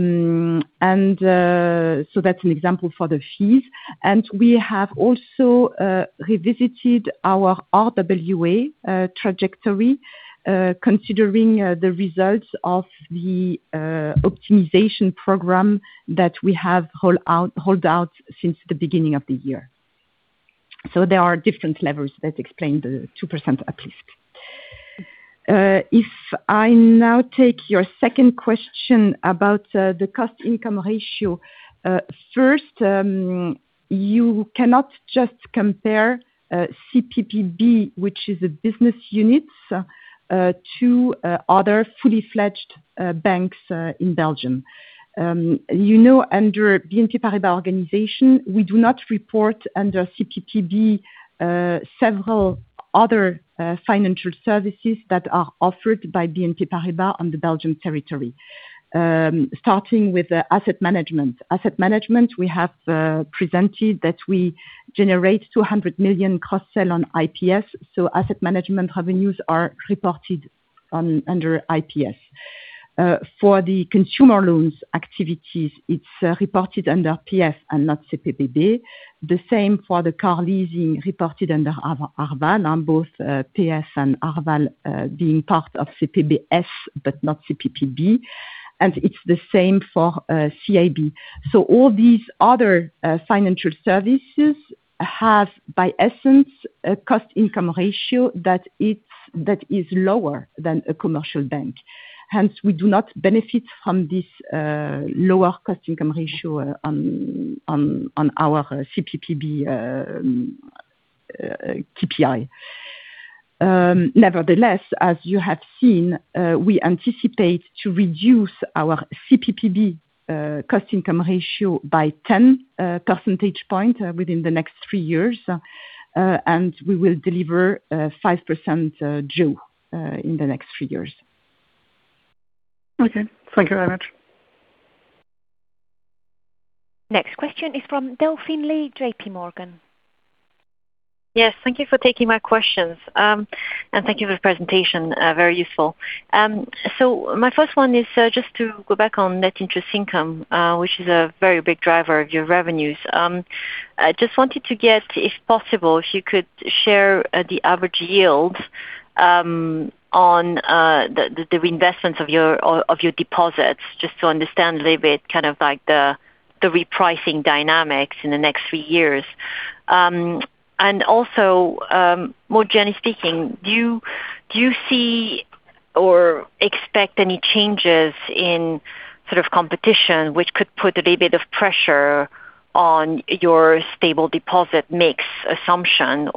an example for the fees. We have also revisited our RWA trajectory, considering the results of the optimization program that we have hold out since the beginning of the year. There are different levers that explain the 2% uplift. If I now take your second question about the cost/income ratio. First, you cannot just compare CPBB, which is a business unit, to other fully-fledged banks in Belgium. You know under BNP Paribas organization, we do not report under CPBB several other financial services that are offered by BNP Paribas on the Belgium territory. Starting with asset management. Asset management, we have presented that we generate 200 million cross sell on IPS, so asset management revenues are reported under IPS. For the consumer loans activities, it's reported under PF and not CPBB. The same for the car leasing reported under Arval on both PF and Arval, being part of CPBS but not CPBB. It's the same for CIB. All these other financial services have, by essence, a cost/income ratio that is lower than a commercial bank. We do not benefit from this lower cost/income ratio on our CPBB KPI. As you have seen, we anticipate to reduce our CPBB cost/income ratio by 10 percentage point within the next three years, and we will deliver 5% jaws in the next three years. Okay. Thank you very much. Next question is from Delphine Lee, JPMorgan. Yes, thank you for taking my questions. Thank you for the presentation, very useful. My first one is just to go back on net interest income, which is a very big driver of your revenues. I just wanted to get, if possible, if you could share the average yield on the investments of your deposits, just to understand a little bit kind of like the repricing dynamics in the next three years. Also, more generally speaking, do you see or expect any changes in sort of competition which could put a little bit of pressure on your stable deposit mix assumption?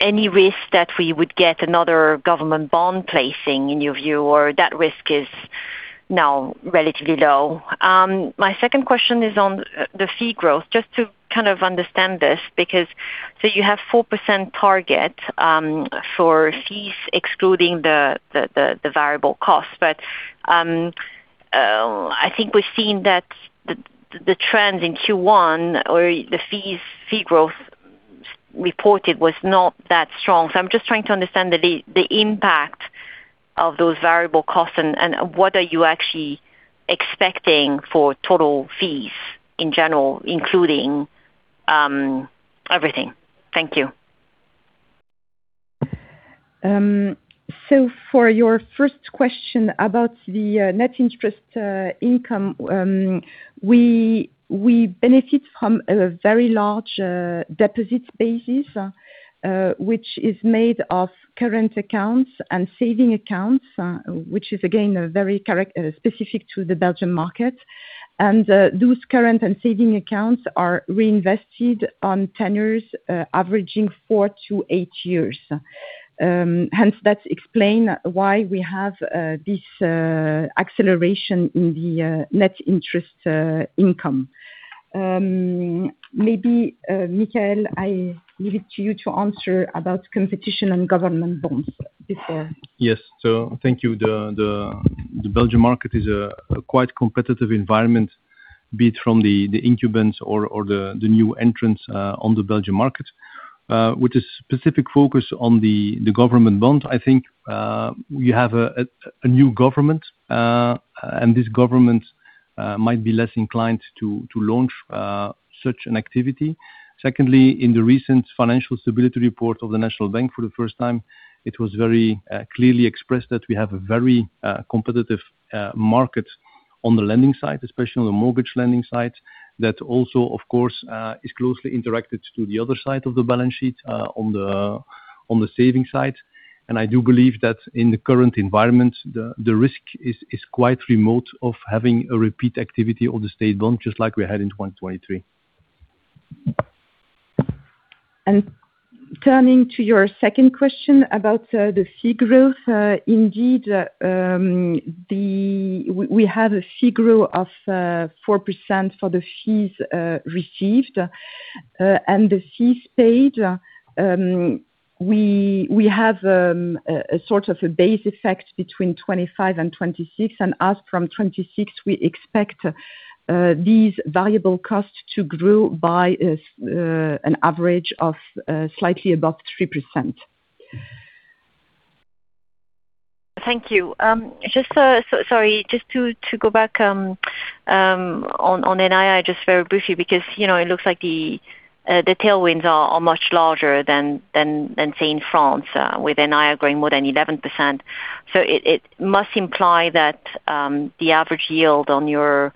Any risk that we would get another government bond placing in your view, or that risk is now relatively low? My second question is on the fee growth. Just to kind of understand this, because you have 4% target for fees excluding the variable cost. I think we've seen that the trends in Q1 or the fees growth reported was not that strong. I'm just trying to understand the impact of those variable costs and what are you actually expecting for total fees in general, including everything. Thank you. For your first question about the net interest income, we benefit from a very large deposits basis, which is made of current accounts and saving accounts, which is again very specific to the Belgian market. Those current and saving accounts are reinvested on tenures averaging four to eight years. Hence, that explain why we have this acceleration in the net interest income. Maybe, Michael, I leave it to you to answer about competition and government bonds. Yes. Thank you. The Belgian market is a quite competitive environment, be it from the incumbents or the new entrants on the Belgian market, with a specific focus on the government bond. I think we have a new government. This government might be less inclined to launch such an activity. Secondly, in the recent financial stability report of the National Bank for the first time, it was very clearly expressed that we have a very competitive market on the lending side, especially on the mortgage lending side. That also, of course, is closely interacted to the other side of the balance sheet, on the savings side. I do believe that in the current environment, the risk is quite remote of having a repeat activity of the state bond, just like we had in 2023. Turning to your second question about the fee growth. Indeed, we have a fee growth of 4% for the fees received. The fees paid, we have a sort of a base effect between 2025 and 2026, and as from 2026, we expect these valuable costs to grow by an average of slightly above 3%. Thank you. Sorry, just to go back on NII just very briefly, because it looks like the tailwinds are much larger than, say, in France, with NII growing more than 11%. It must imply that the average yield on your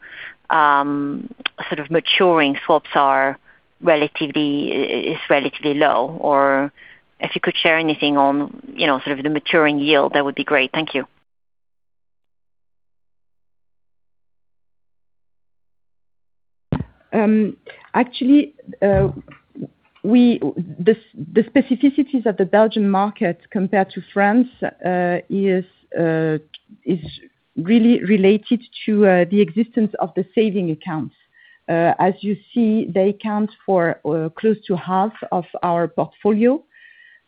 maturing swaps is relatively low. If you could share anything on the maturing yield, that would be great. Thank you. Actually, the specificities of the Belgian market compared to France is really related to the existence of the saving accounts. As you see, they account for close to half of our portfolio,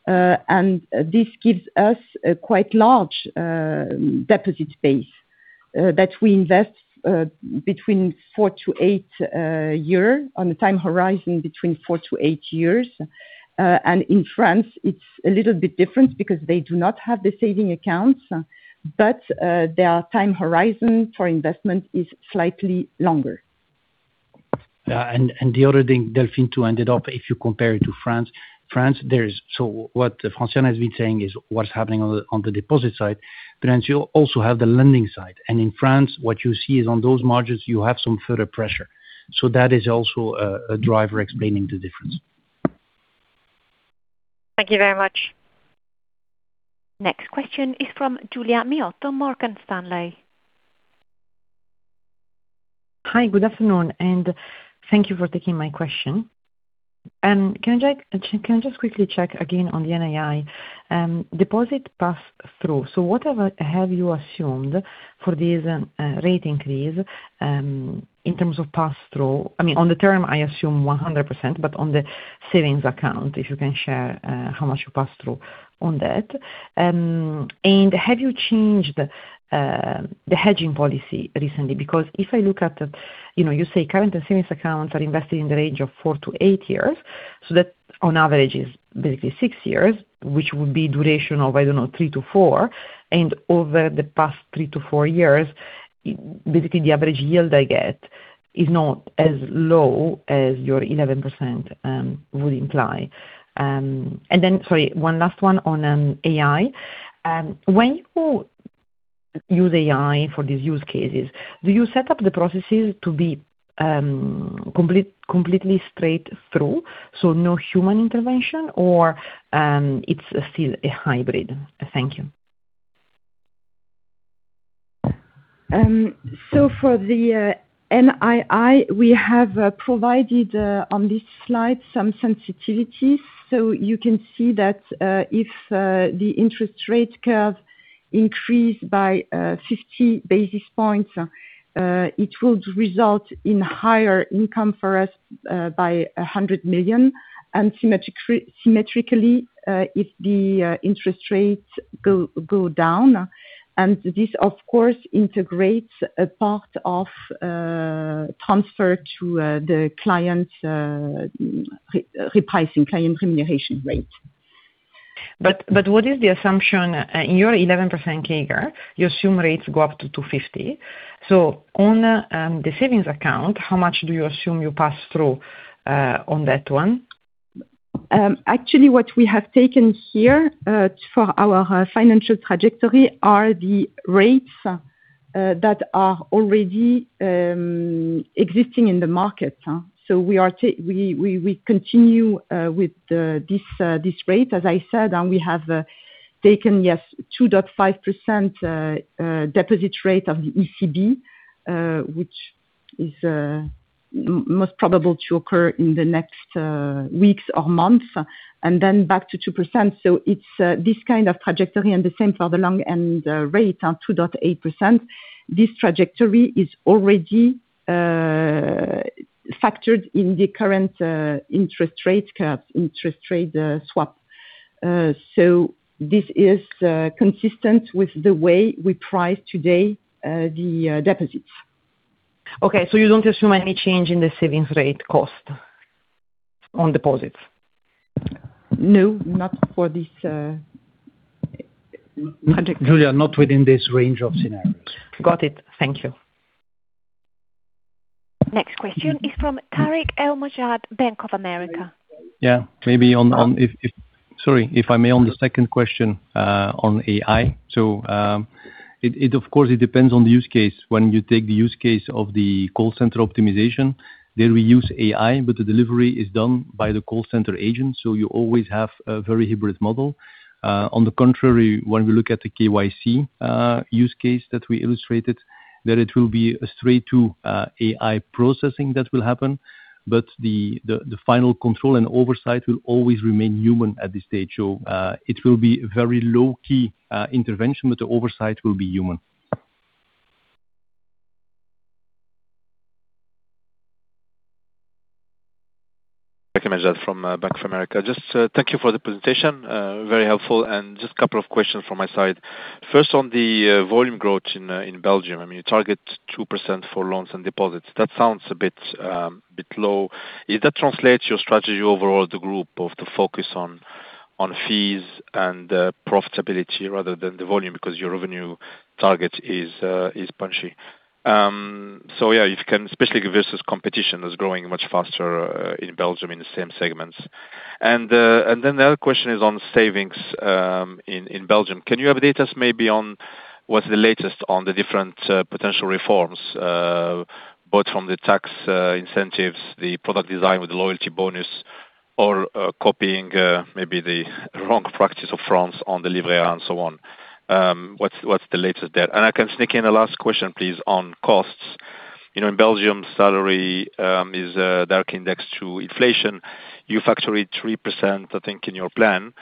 and this gives us a quite large deposit base that we invest between four to eight year, on a time horizon between four to eight years. In France, it's a little bit different because they do not have the saving accounts, but their time horizon for investment is slightly longer. Yeah, the other thing, Delphine, to ended up, if you compare it to France. What Franciane has been saying is what's happening on the deposit side. France, you also have the lending side. In France, what you see is on those margins, you have some further pressure. That is also a driver explaining the difference. Thank you very much. Next question is from Giulia Miotto, Morgan Stanley. Hi, good afternoon, and thank you for taking my question. Can I just quickly check again on the NII, deposit pass-through. What have you assumed for this rate increase, in terms of pass-through? On the term, I assume 100%, but on the savings account, if you can share how much you pass through on that. Have you changed the hedging policy recently? Because if I look at, you say current and savings accounts are invested in the range of four to eight years, so that on average is basically six years, which would be duration of, I don't know, three to four. Over the past three to four years, basically the average yield I get is not as low as your 11% would imply. Then, sorry, one last one on AI. When you use AI for these use cases, do you set up the processes to be completely straight through, so no human intervention, or it's still a hybrid? Thank you. For the NII, we have provided on this slide some sensitivities. You can see that if the interest rate curve increased by 50 basis points, it would result in higher income for us by 100 million. Symmetrically, if the interest rates go down. This, of course, integrates a part of transfer to the client repricing, client remuneration rate. What is the assumption in your 11% CAGR? You assume rates go up to 250. On the savings account, how much do you assume you pass through on that one? Actually, what we have taken here for our financial trajectory are the rates that are already existing in the market. We continue with this rate, as I said, and we have taken, yes, 2.5% deposit rate of the ECB, which is most probable to occur in the next weeks or months, and then back to 2%. It's this kind of trajectory. The same for the long-end rate of 2.8%. This trajectory is already factored in the current interest rate swap. This is consistent with the way we price today the deposits. Okay. You don't assume any change in the savings rate cost on deposits? No, not for this project. Giulia, not within this range of scenarios. Got it. Thank you. Next question is from Tarik El Mejjad, Bank of America. Yeah. Sorry, if I may, on the second question on AI. Of course, it depends on the use case. When you take the use case of the call center optimization, then we use AI, but the delivery is done by the call center agent, so you always have a very hybrid model. On the contrary, when we look at the KYC use case that we illustrated, that it will be a straight to AI processing that will happen. The final control and oversight will always remain human at this stage. It will be very low key intervention, but the oversight will be human. Tarik El Mejjad from Bank of America. Just thank you for the presentation, very helpful and just a couple of questions from my side. First on the volume growth in Belgium, you target 2% for loans and deposits. That sounds a bit low. If that translates your strategy overall, the group of the focus on fees and profitability rather than the volume, because your revenue target is punchy. Yeah, if you can, especially versus competition that's growing much faster in Belgium in the same segments. The other question is on savings, in Belgium. Can you update us maybe on what's the latest on the different potential reforms, both from the tax incentives, the product design with the loyalty bonus or copying maybe the wrong practice of France on Livret A and so on. What's the latest there? I can sneak in a last question, please, on costs. In Belgium, salary is directly indexed to inflation. You factor it 3%, I think, in your plan.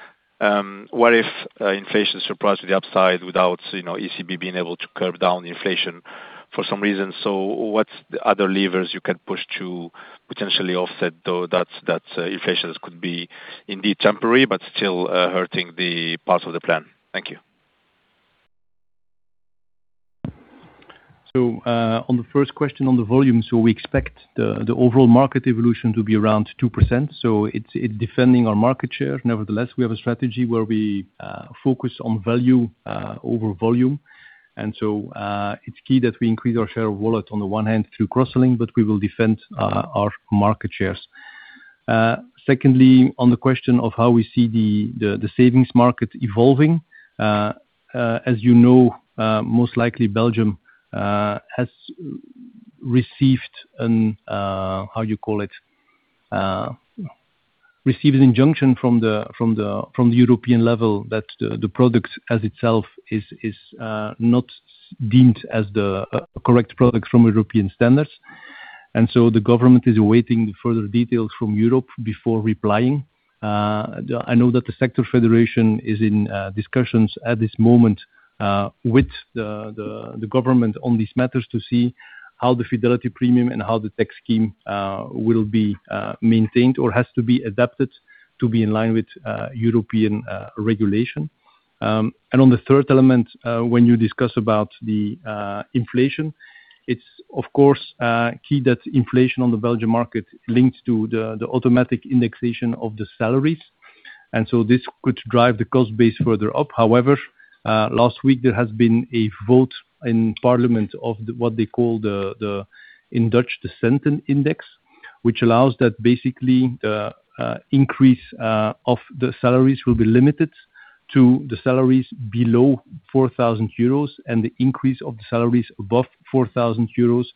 What if inflation surprises the upside without ECB being able to curb down inflation for some reason? What's the other levers you can push to potentially offset, though that inflation could be indeed temporary but still hurting the parts of the plan. Thank you. On the first question on the volume. We expect the overall market evolution to be around 2%, so it's defending our market share. Nevertheless, we have a strategy where we focus on value over volume. It's key that we increase our share of wallet on the one hand through cross-selling, but we will defend our market shares. Secondly, on the question of how we see the savings market evolving. As you know, most likely Belgium has received an, how you call it, received injunction from the European level that the product as itself is not deemed as the correct product from European standards. The government is awaiting further details from Europe before replying. I know that the sector federation is in discussions at this moment with the government on these matters to see how the fidelity premium and how the tax scheme will be maintained or has to be adapted to be in line with European regulation. On the third element, when you discuss about the inflation, it's of course, key that inflation on the Belgium market links to the automatic indexation of the salaries. This could drive the cost base further up. However, last week, there has been a vote in Parliament of what they call, in Dutch, the centenindex, which allows that basically the increase of the salaries will be limited to the salaries below €4,000, and the increase of the salaries above €4,000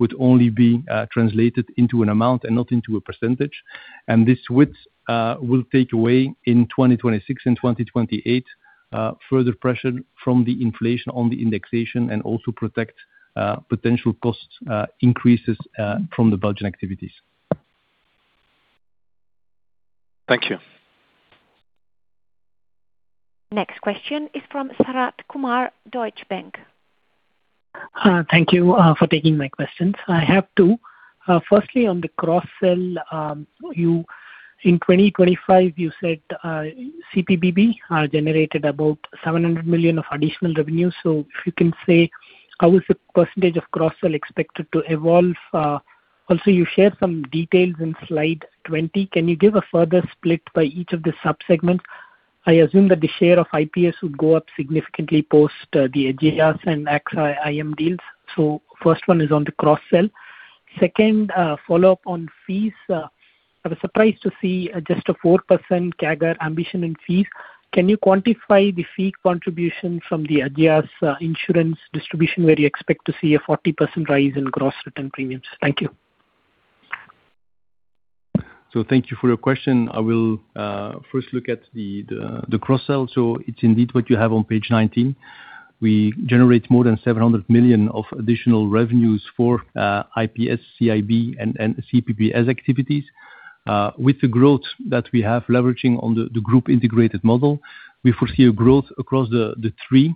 would only be translated into an amount and not into a percentage. This width will take away in 2026 and 2028, further pressure from the inflation on the indexation and also protect potential cost increases from the Belgian activities. Thank you. Next question is from Sharath Kumar, Deutsche Bank. Thank you for taking my questions. I have two. Firstly, on the cross-sell. In 2025, you said CPBB generated about 700 million of additional revenue. If you can say, how is the percentage of cross-sell expected to evolve? Also, you shared some details in slide 20. Can you give a further split by each of the sub-segments? I assume that the share of IPS would go up significantly post the Ageas and AXA IM deals. First one is on the cross-sell. Second, follow-up on fees. I was surprised to see just a 4% CAGR ambition in fees. Can you quantify the fee contribution from the Ageas insurance distribution, where you expect to see a 40% rise in gross written premiums? Thank you. Thank you for your question. I will first look at the cross-sell. It's indeed what you have on page 19. We generate more than 700 million of additional revenues for IPS CIB and CPBS activities. With the growth that we have leveraging on the group integrated model, we foresee a growth across the three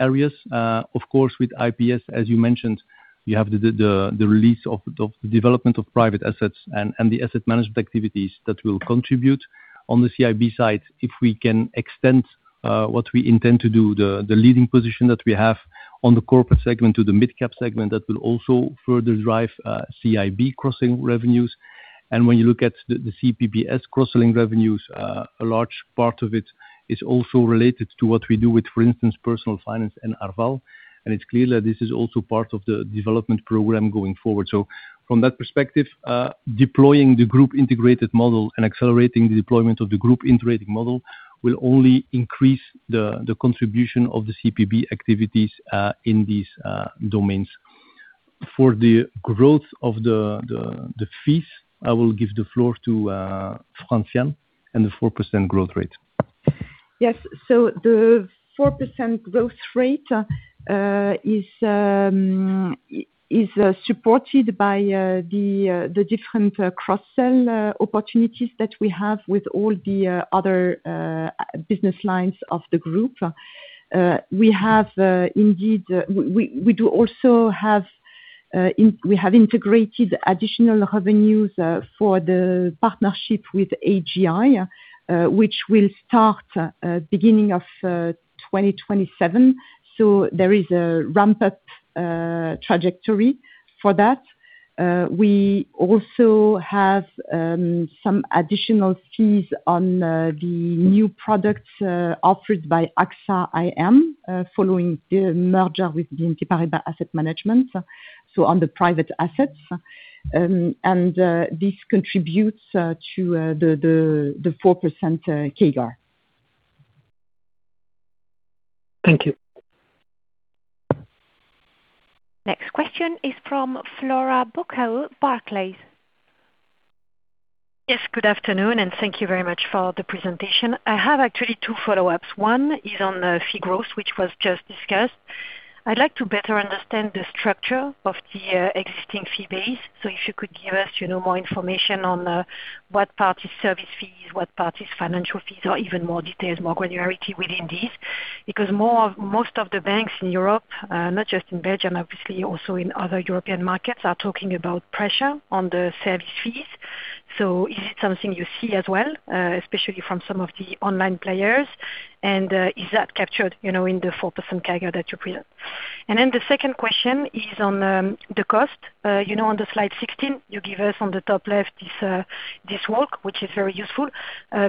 areas. Of course, with IPS, as you mentioned, you have the release of the development of private assets and the asset management activities that will contribute. On the CIB side, if we can extend what we intend to do, the leading position that we have on the corporate segment to the mid-cap segment, that will also further drive CIB cross-sell revenues. When you look at the CPBS cross-selling revenues, a large part of it is also related to what we do with, for instance, personal finance and Arval, and it's clear that this is also part of the development program going forward. From that perspective, deploying the group integrated model and accelerating the deployment of the group integrated model will only increase the contribution of the CPB activities, in these domains. For the growth of the fees, I will give the floor to Franciane and the 4% growth rate. Yes. The 4% growth rate is supported by the different cross-sell opportunities that we have with all the other business lines of the group. We have integrated additional revenues for the partnership with AGI, which will start beginning of 2027. There is a ramp-up trajectory for that. We also have some additional fees on the new products offered by AXA IM, following the merger with BNP Paribas Asset Management, so on the private assets. This contributes to the 4% CAGR. Thank you. Next question is from Flora Bocahut, Barclays. Yes, good afternoon. Thank you very much for the presentation. I have actually two follow-ups. One is on fee growth, which was just discussed. I'd like to better understand the structure of the existing fee base. If you could give us more information on what part is service fees, what part is financial fees, or even more details, more granularity within these. Because most of the banks in Europe, not just in Belgium, obviously also in other European markets, are talking about pressure on the service fees. Is it something you see as well, especially from some of the online players? Is that captured in the 4% CAGR that you present? The second question is on the cost. On the slide 16, you give us on the top left this work, which is very useful.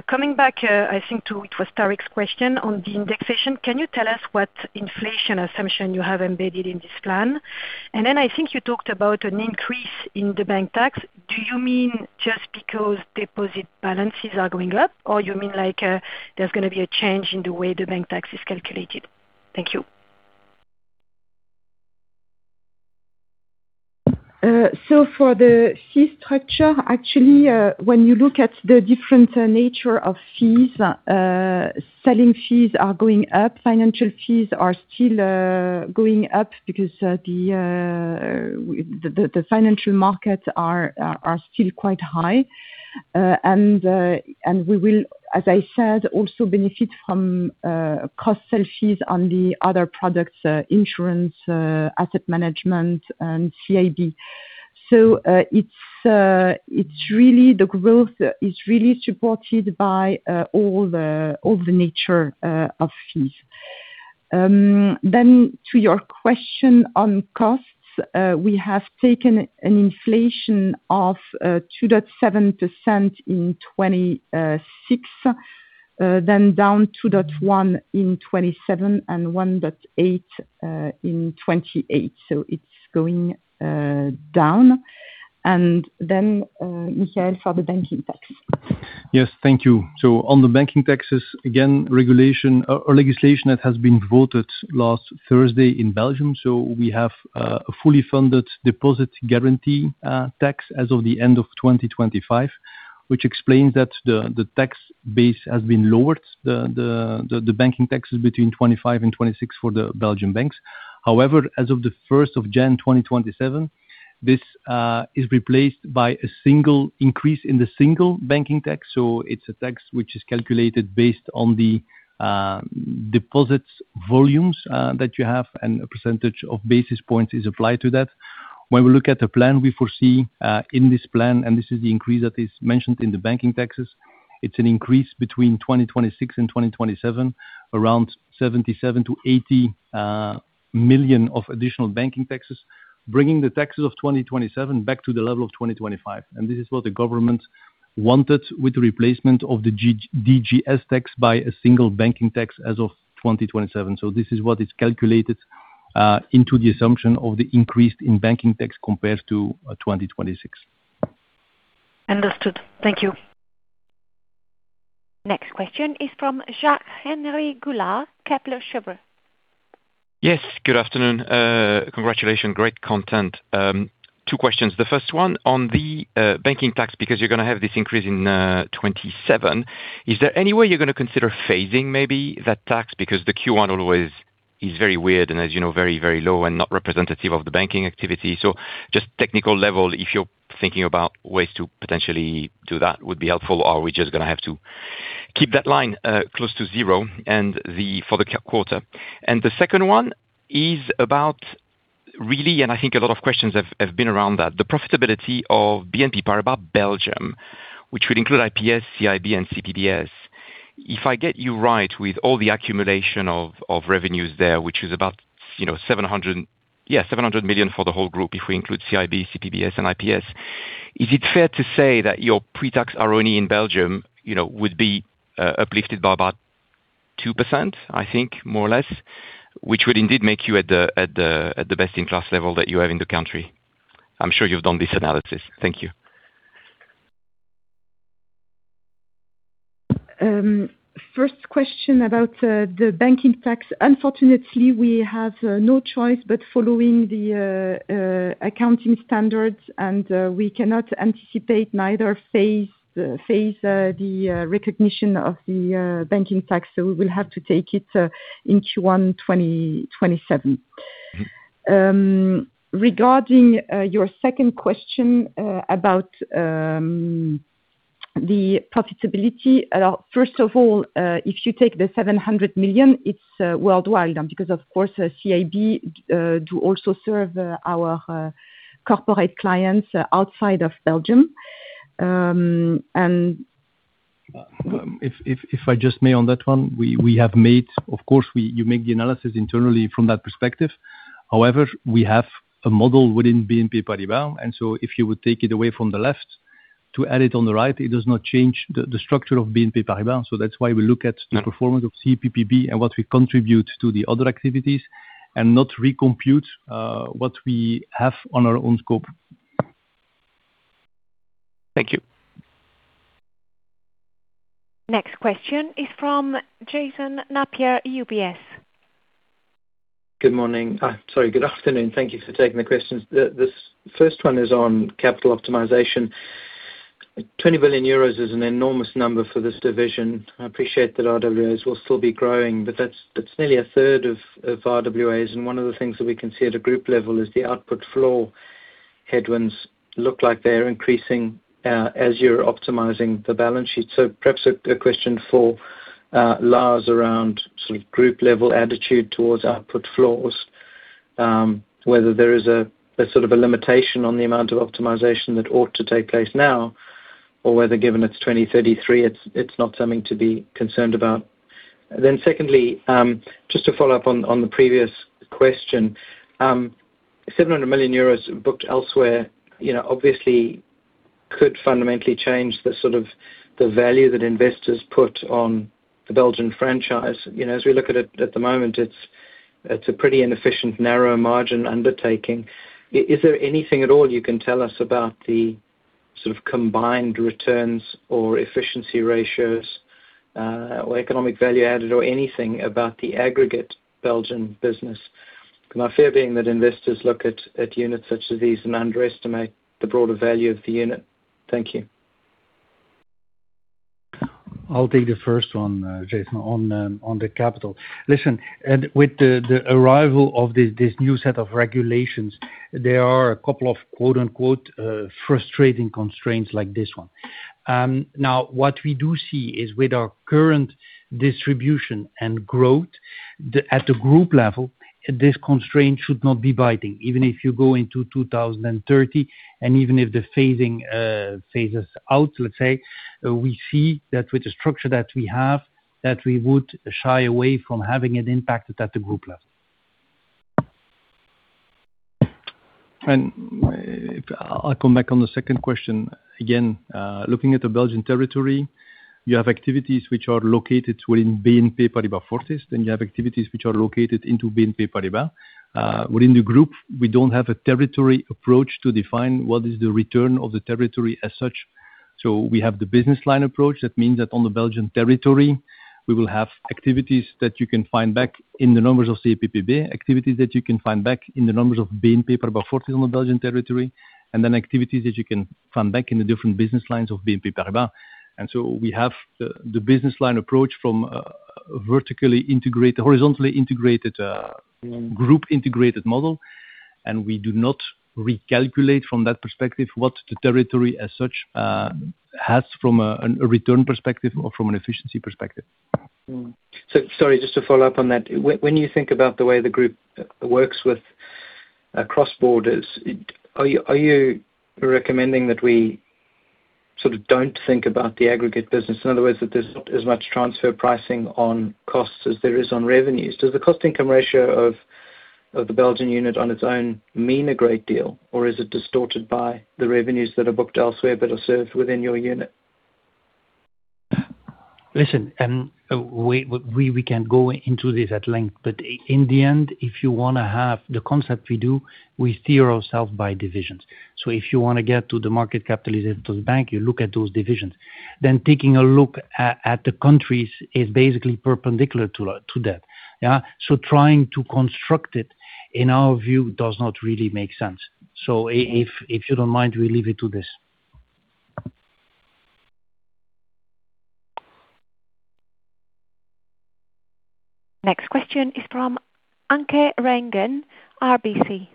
Coming back, I think it was Tarik's question on the indexation. Can you tell us what inflation assumption you have embedded in this plan? I think you talked about an increase in the bank tax. Do you mean just because deposit balances are going up, or you mean there's going to be a change in the way the bank tax is calculated? Thank you. For the fee structure, actually, when you look at the different nature of fees, selling fees are going up. Financial fees are still going up because the financial markets are still quite high. We will, as I said, also benefit from cross-sell fees on the other products, insurance, asset management, and CIB. The growth is really supported by all the nature of fees. To your question on costs, we have taken an inflation of 2.7% in 2026, then down 2.1% in 2027, and 1.8% in 2028. It's going down. Michael, for the banking tax. Yes. Thank you. On the banking taxes, again, legislation that has been voted last Thursday in Belgium. We have a fully funded deposit guarantee tax as of the end of 2025, which explains that the tax base has been lowered. The banking tax is between 2025 and 2026 for the Belgian banks. However, as of the 1st of January 2027, this is replaced by a single increase in the single banking tax. It's a tax which is calculated based on the deposits volumes that you have, and a percentage of basis points is applied to that. When we look at the plan we foresee, in this plan, and this is the increase that is mentioned in the banking taxes, it's an increase between 2026 and 2027, around 77 million to 80 million of additional banking taxes, bringing the taxes of 2027 back to the level of 2025. This is what the government wanted with the replacement of the DGS tax by a single banking tax as of 2027. This is what is calculated into the assumption of the increase in banking tax compared to 2026. Understood. Thank you. Next question is from Jacques-Henri Gaulard, Kepler Cheuvreux. Yes, good afternoon. Congratulations. Great content. Two questions. The first one on the banking tax, because you're going to have this increase in 2027. Is there any way you're going to consider phasing maybe that tax? The Q1 always is very weird and as you know, very, very low and not representative of the banking activity. Just technical level, if you're thinking about ways to potentially do that, would be helpful, or are we just going to have to keep that line close to zero and for the quarter? The second one is about, really, and I think a lot of questions have been around that, the profitability of BNP Paribas Belgium, which would include IPS, CIB, and CPBS. If I get you right, with all the accumulation of revenues there, which is about 700 million for the whole group, if we include CIB, CPBS, and IPS. Is it fair to say that your pre-tax ROE in Belgium would be uplifted by about 2%, I think more or less, which would indeed make you at the best-in-class level that you have in the country? I'm sure you've done this analysis. Thank you. First question about the banking tax. Unfortunately, we have no choice but following the accounting standards, we cannot anticipate neither phase the recognition of the banking tax, we will have to take it in Q1 2027. Regarding your second question about the profitability. First of all, if you take the 700 million, it's worldwide. Of course, CIB do also serve our corporate clients outside of Belgium. If I just may on that one. Of course, you make the analysis internally from that perspective. However, we have a model within BNP Paribas, and so if you would take it away from the left to add it on the right, it does not change the structure of BNP Paribas. That's why we look at the performance of CPBB and what we contribute to the other activities and not recompute what we have on our own scope. Thank you. Next question is from Jason Napier, UBS. Good morning. Sorry. Good afternoon. Thank you for taking the questions. This first one is on capital optimization. 20 billion euros is an enormous number for this division. I appreciate that RWAs will still be growing, but that's nearly a third of RWAs. One of the things that we can see at a group level is the output floor headwinds look like they're increasing as you're optimizing the balance sheet. Perhaps a question for Lars around group-level attitude towards output floors, whether there is a sort of a limitation on the amount of optimization that ought to take place now, or whether, given it's 2033, it's not something to be concerned about. Secondly, just to follow up on the previous question, 700 million euros booked elsewhere obviously could fundamentally change the value that investors put on the Belgian franchise. As we look at it at the moment, it's a pretty inefficient, narrow margin undertaking. Is there anything at all you can tell us about the sort of combined returns or efficiency ratios, or economic value added or anything about the aggregate Belgian business? My fear being that investors look at units such as these and underestimate the broader value of the unit. Thank you. I'll take the first one, Jason, on the capital. Listen, with the arrival of this new set of regulations, there are a couple of "frustrating constraints" like this one. What we do see is with our current distribution and growth at the group level, this constraint should not be biting. Even if you go into 2030, even if the phasing phases out, let's say, we see that with the structure that we have, that we would shy away from having an impact at the group level. I'll commenting on the second question again, looking at the Belgian territory, you have activities which are located within BNP Paribas Fortis, you have activities which are located into BNP Paribas. Within the group, we don't have a territory approach to define what is the return of the territory as such. We have the business line approach. That means that on the Belgian territory, we will have activities that you can find back in the numbers of CPBB, activities that you can find back in the numbers of BNP Paribas Fortis on the Belgian territory, and then activities that you can find back in the different business lines of BNP Paribas. We have the business line approach from a horizontally integrated, Group integrated model, and we do not recalculate from that perspective what the territory as such has from a return perspective or from an efficiency perspective. Sorry, just to follow up on that. When you think about the way the group works with cross-borders, are you recommending that we don't think about the aggregate business, in other words, that there's not as much transfer pricing on costs as there is on revenues? Does the cost income ratio of the Belgian unit on its own mean a great deal, or is it distorted by the revenues that are booked elsewhere but are served within your unit? Listen, we can go into this at length, but in the end, if you want to have the concept we do, we steer ourselves by divisions. If you want to get to the market capitalization of the bank, you look at those divisions, then taking a look at the countries is basically perpendicular to that. Yeah. Trying to construct it, in our view, does not really make sense. If you don't mind, we leave it to this. Next question is from Anke Reingen, RBC.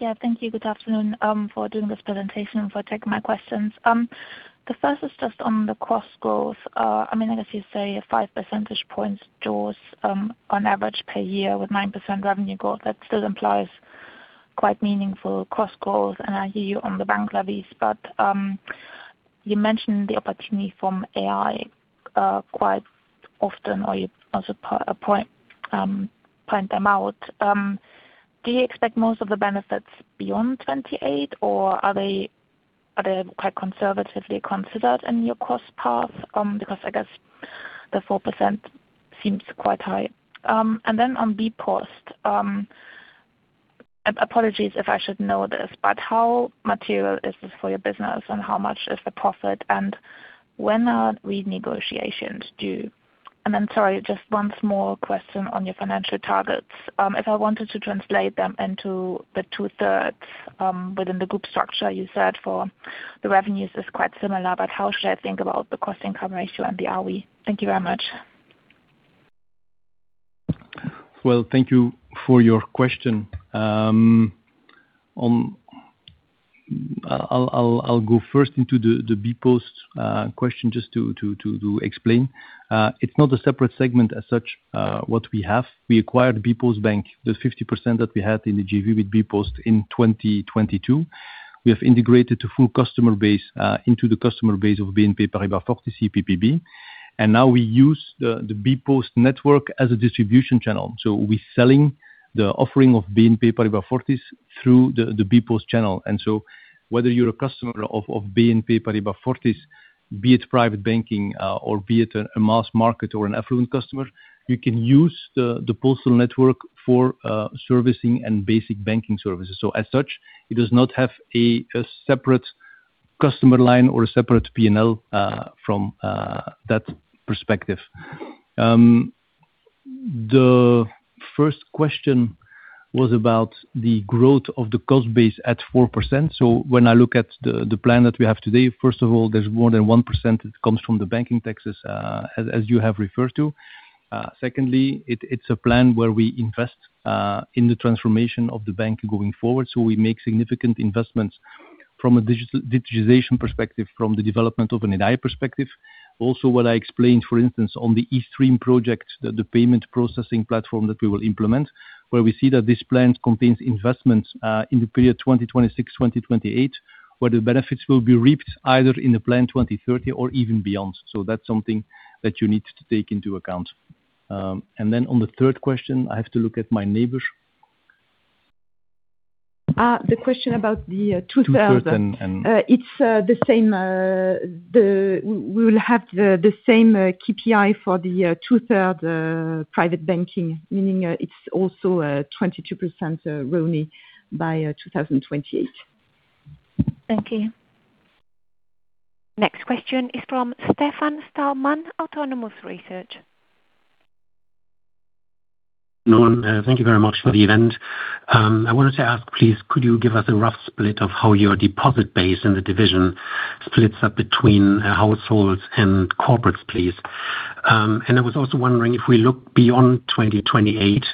Yeah, thank you. Good afternoon for doing this presentation and for taking my questions. The first is just on the cost growth. I guess you say a five percentage points jaws on average per year with 9% revenue growth. That still implies quite meaningful cost growth. I hear you on the bank levies, but you mentioned the opportunity from AI quite often, or you also point them out. Do you expect most of the benefits beyond 2028 or are they quite conservatively considered in your cost path? Because I guess the 4% seems quite high. On bpost, apologies if I should know this, but how material is this for your business and how much is the profit and when are renegotiations due? Sorry, just one small question on your financial targets. If I wanted to translate them into the two-thirds within the group structure you said for the revenues is quite similar, but how should I think about the cost-income ratio and the ROE? Thank you very much. Well, thank you for your question. I'll go first into the bpost question just to explain. It's not a separate segment as such, what we have. We acquired bpost Bank, the 50% that we had in the JV with bpost in 2022. We have integrated the full customer base into the customer base of BNP Paribas Fortis, CPBB. Now we use the bpost network as a distribution channel. We're selling the offering of BNP Paribas Fortis through the bpost channel. Whether you're a customer of BNP Paribas Fortis, be it private banking or be it a mass market or an affluent customer, you can use the postal network for servicing and basic banking services. As such, it does not have a separate customer line or a separate P&L from that perspective. The first question was about the growth of the cost base at 4%. When I look at the plan that we have today, first of all, there's more than 1% that comes from the banking taxes, as you have referred to. Secondly, it's a plan where we invest in the transformation of the bank going forward. We make significant investments from a digitization perspective, from the development of an AI perspective. Also what I explained, for instance, on the Estreem project, the payment processing platform that we will implement, where we see that this plan contains investments in the period 2026, 2028, where the benefits will be reaped either in the plan 2030 or even beyond. That's something that you need to take into account. On the third question, I have to look at my neighbor. The question about the two-third. Two-third and We will have the same KPI for the two-third private banking, meaning it's also a 22% ROE by 2028. Thank you. Next question is from Stefan Stalmann, Autonomous Research. Noon. Thank you very much for the event. I wanted to ask, please, could you give us a rough split of how your deposit base in the division splits up between households and corporates, please? I was also wondering if we look beyond 2028,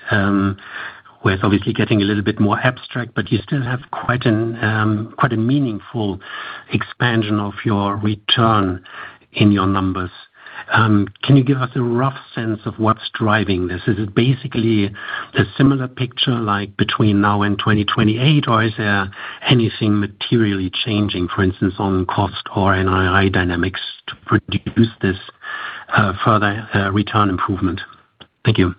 where it's obviously getting a little bit more abstract, but you still have quite a meaningful expansion of your return in your numbers. Can you give us a rough sense of what's driving this? Is it basically a similar picture like between now and 2028, or is there anything materially changing, for instance, on cost or NII dynamics to produce this further return improvement? Thank you.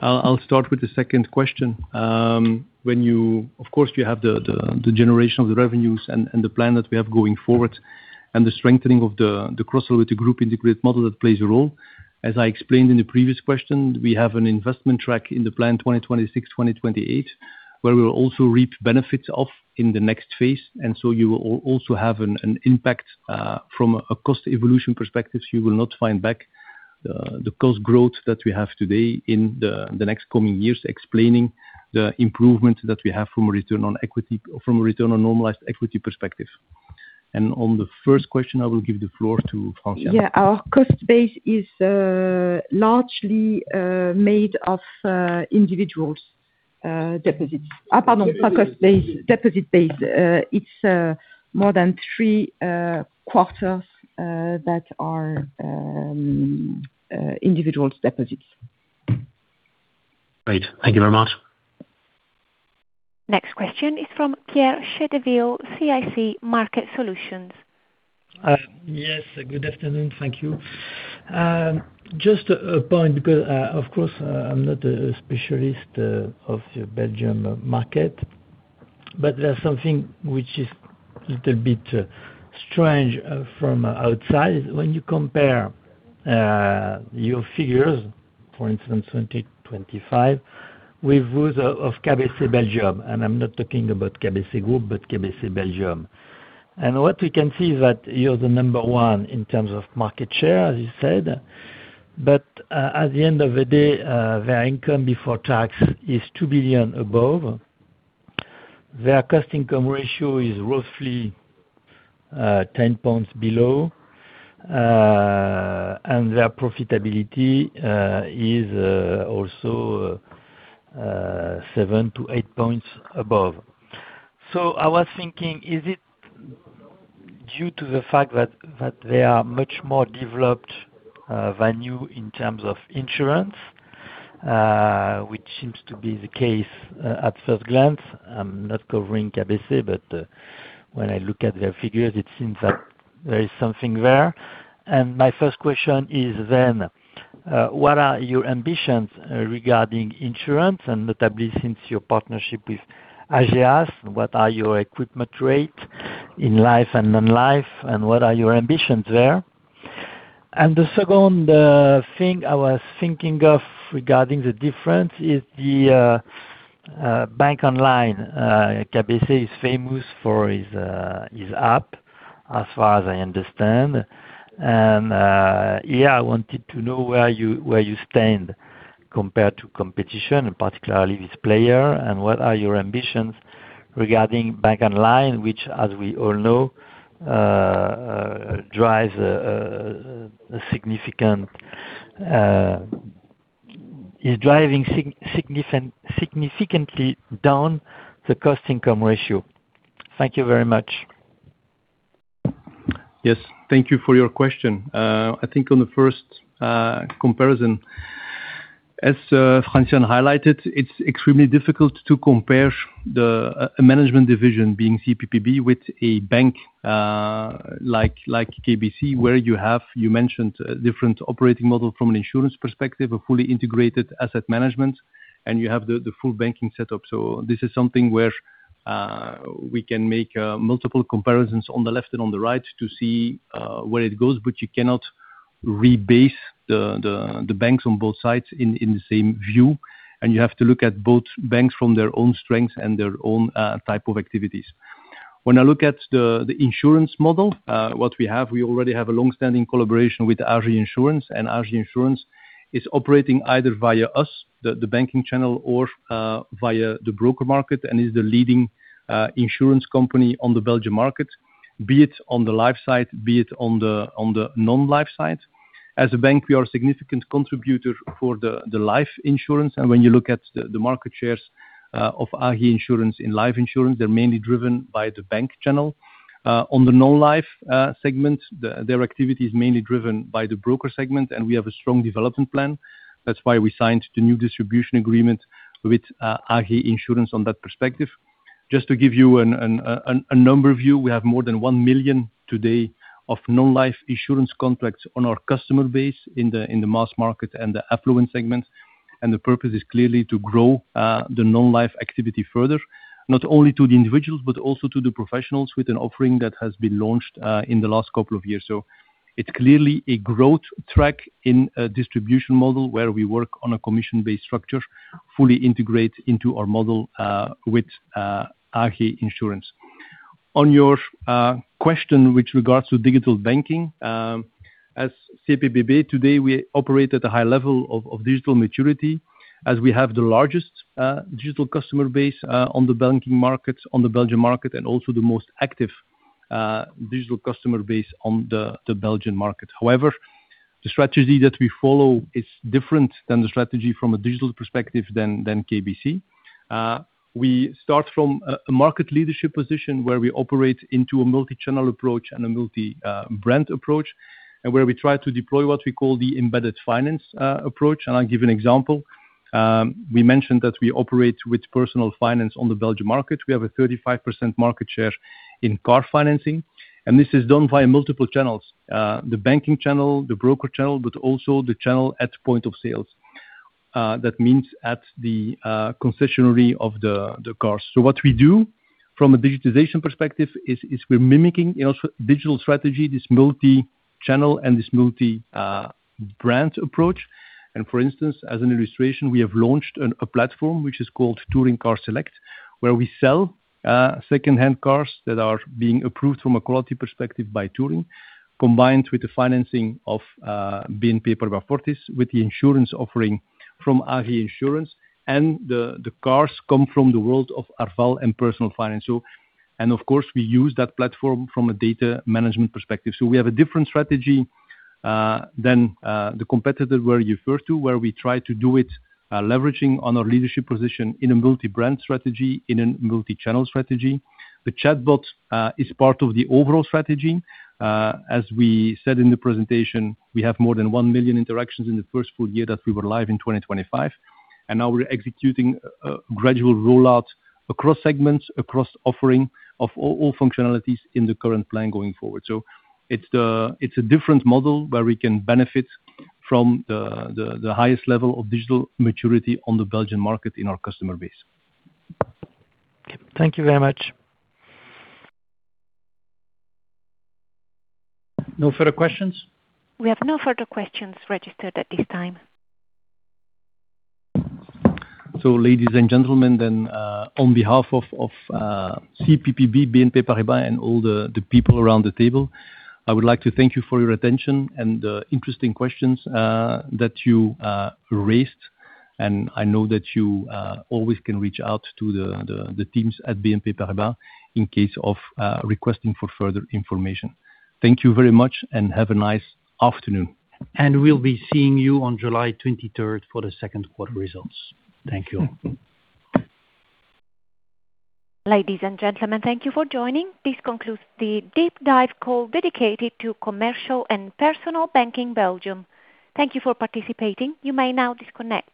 I'll start with the second question. Of course, you have the generation of the revenues and the plan that we have going forward and the strengthening of the cross-sell with the group integrate model that plays a role. As I explained in the previous question, we have an investment track in the plan 2026, 2028, where we will also reap benefits of in the next phase. You will also have an impact from a cost evolution perspective. You will not find back the cost growth that we have today in the next coming years, explaining the improvement that we have from a return on normalized equity perspective. On the first question, I will give the floor to Franciane. Yeah, our cost base is largely made of individuals deposits. Pardon, not cost base, deposit base. It's more than three quarters that are individuals deposits. Great. Thank you very much. Next question is from Pierre Chédeville, CIC Market Solutions. Yes, good afternoon. Thank you. Just a point because, of course, I'm not a specialist of the Belgium market. There's something which is a little bit strange from outside. When you compare your figures, for instance, 2025, with those of KBC Belgium, I'm not talking about KBC Group, but KBC Belgium. What we can see is that you're the number one in terms of market share, as you said. At the end of the day, their income before tax is 2 billion above. Their cost/income ratio is roughly 10 points below. Their profitability is also seven to eight points above. I was thinking, is it due to the fact that they are much more developed than you in terms of insurance, which seems to be the case at first glance. I'm not covering KBC. When I look at their figures, it seems that there is something there. My first question is then, what are your ambitions regarding insurance and notably since your partnership with Ageas, what are your equipment rate in life and non-life, and what are your ambitions there? The second thing I was thinking of regarding the difference is the bank online. KBC is famous for its app, as far as I understand. Here, I wanted to know where you stand compared to competition, and particularly this player, and what are your ambitions regarding bank online, which as we all know is driving significantly down the cost/income ratio. Thank you very much. Yes. Thank you for your question. I think on the first comparison, as Franciane highlighted, it's extremely difficult to compare the management division being CPBB with a bank like KBC, where you have, you mentioned, a different operating model from an insurance perspective, a fully integrated asset management, and you have the full banking setup. This is something where we can make multiple comparisons on the left and on the right to see where it goes, but you cannot rebase the banks on both sides in the same view, and you have to look at both banks from their own strengths and their own type of activities. When I look at the insurance model, what we have, we already have a long-standing collaboration with AG Insurance, and AG Insurance is operating either via us, the banking channel, or via the broker market, and is the leading insurance company on the Belgium market, be it on the life side, be it on the non-life side. As a bank, we are a significant contributor for the life insurance. When you look at the market shares of AG Insurance in life insurance, they're mainly driven by the bank channel. On the non-life segment, their activity is mainly driven by the broker segment, and we have a strong development plan. That's why we signed the new distribution agreement with AG Insurance on that perspective. Just to give you a number view, we have more than 1 million today of non-life insurance contracts on our customer base in the mass market and the affluent segments. The purpose is clearly to grow the non-life activity further, not only to the individuals, but also to the professionals with an offering that has been launched in the last couple of years. It's clearly a growth track in a distribution model where we work on a commission-based structure, fully integrate into our model, with AG Insurance. On your question with regards to digital banking, as CPBB today, we operate at a high level of digital maturity as we have the largest digital customer base on the Belgian market, and also the most active digital customer base on the Belgian market. However, the strategy that we follow is different than the strategy from a digital perspective than KBC. We start from a market leadership position where we operate into a multi-channel approach and a multi-brand approach, where we try to deploy what we call the embedded finance approach. I'll give an example. We mentioned that we operate with Personal Finance on the Belgium market. We have a 35% market share in car financing, this is done via multiple channels, the banking channel, the broker channel, but also the channel at point of sales. That means at the concessionary of the cars. What we do from a digitization perspective is we're mimicking in our digital strategy, this multi-channel and this multi-brand approach. For instance, as an illustration, we have launched a platform which is called Touring Car Select, where we sell secondhand cars that are being approved from a quality perspective by Touring, combined with the financing of BNP Paribas Fortis, with the insurance offering from AG Insurance. The cars come from the world of Arval and Personal Finance. Of course, we use that platform from a data management perspective. We have a different strategy than the competitor where you refer to, where we try to do it leveraging on our leadership position in a multi-brand strategy, in a multi-channel strategy. The chatbot is part of the overall strategy. As we said in the presentation, we have more than 1 million interactions in the first full year that we were live in 2025, now we're executing a gradual rollout across segments, across offering of all functionalities in the current plan going forward. It's a different model where we can benefit from the highest level of digital maturity on the Belgian market in our customer base. Thank you very much. No further questions? We have no further questions registered at this time. Ladies and gentlemen, then on behalf of CPBB, BNP Paribas and all the people around the table, I would like to thank you for your attention and the interesting questions that you raised. I know that you always can reach out to the teams at BNP Paribas in case of requesting for further information. Thank you very much and have a nice afternoon. We'll be seeing you on July 23rd for the second quarter results. Thank you. Ladies and gentlemen, thank you for joining. This concludes the deep dive call dedicated to Commercial and Personal Banking Belgium. Thank you for participating. You may now disconnect.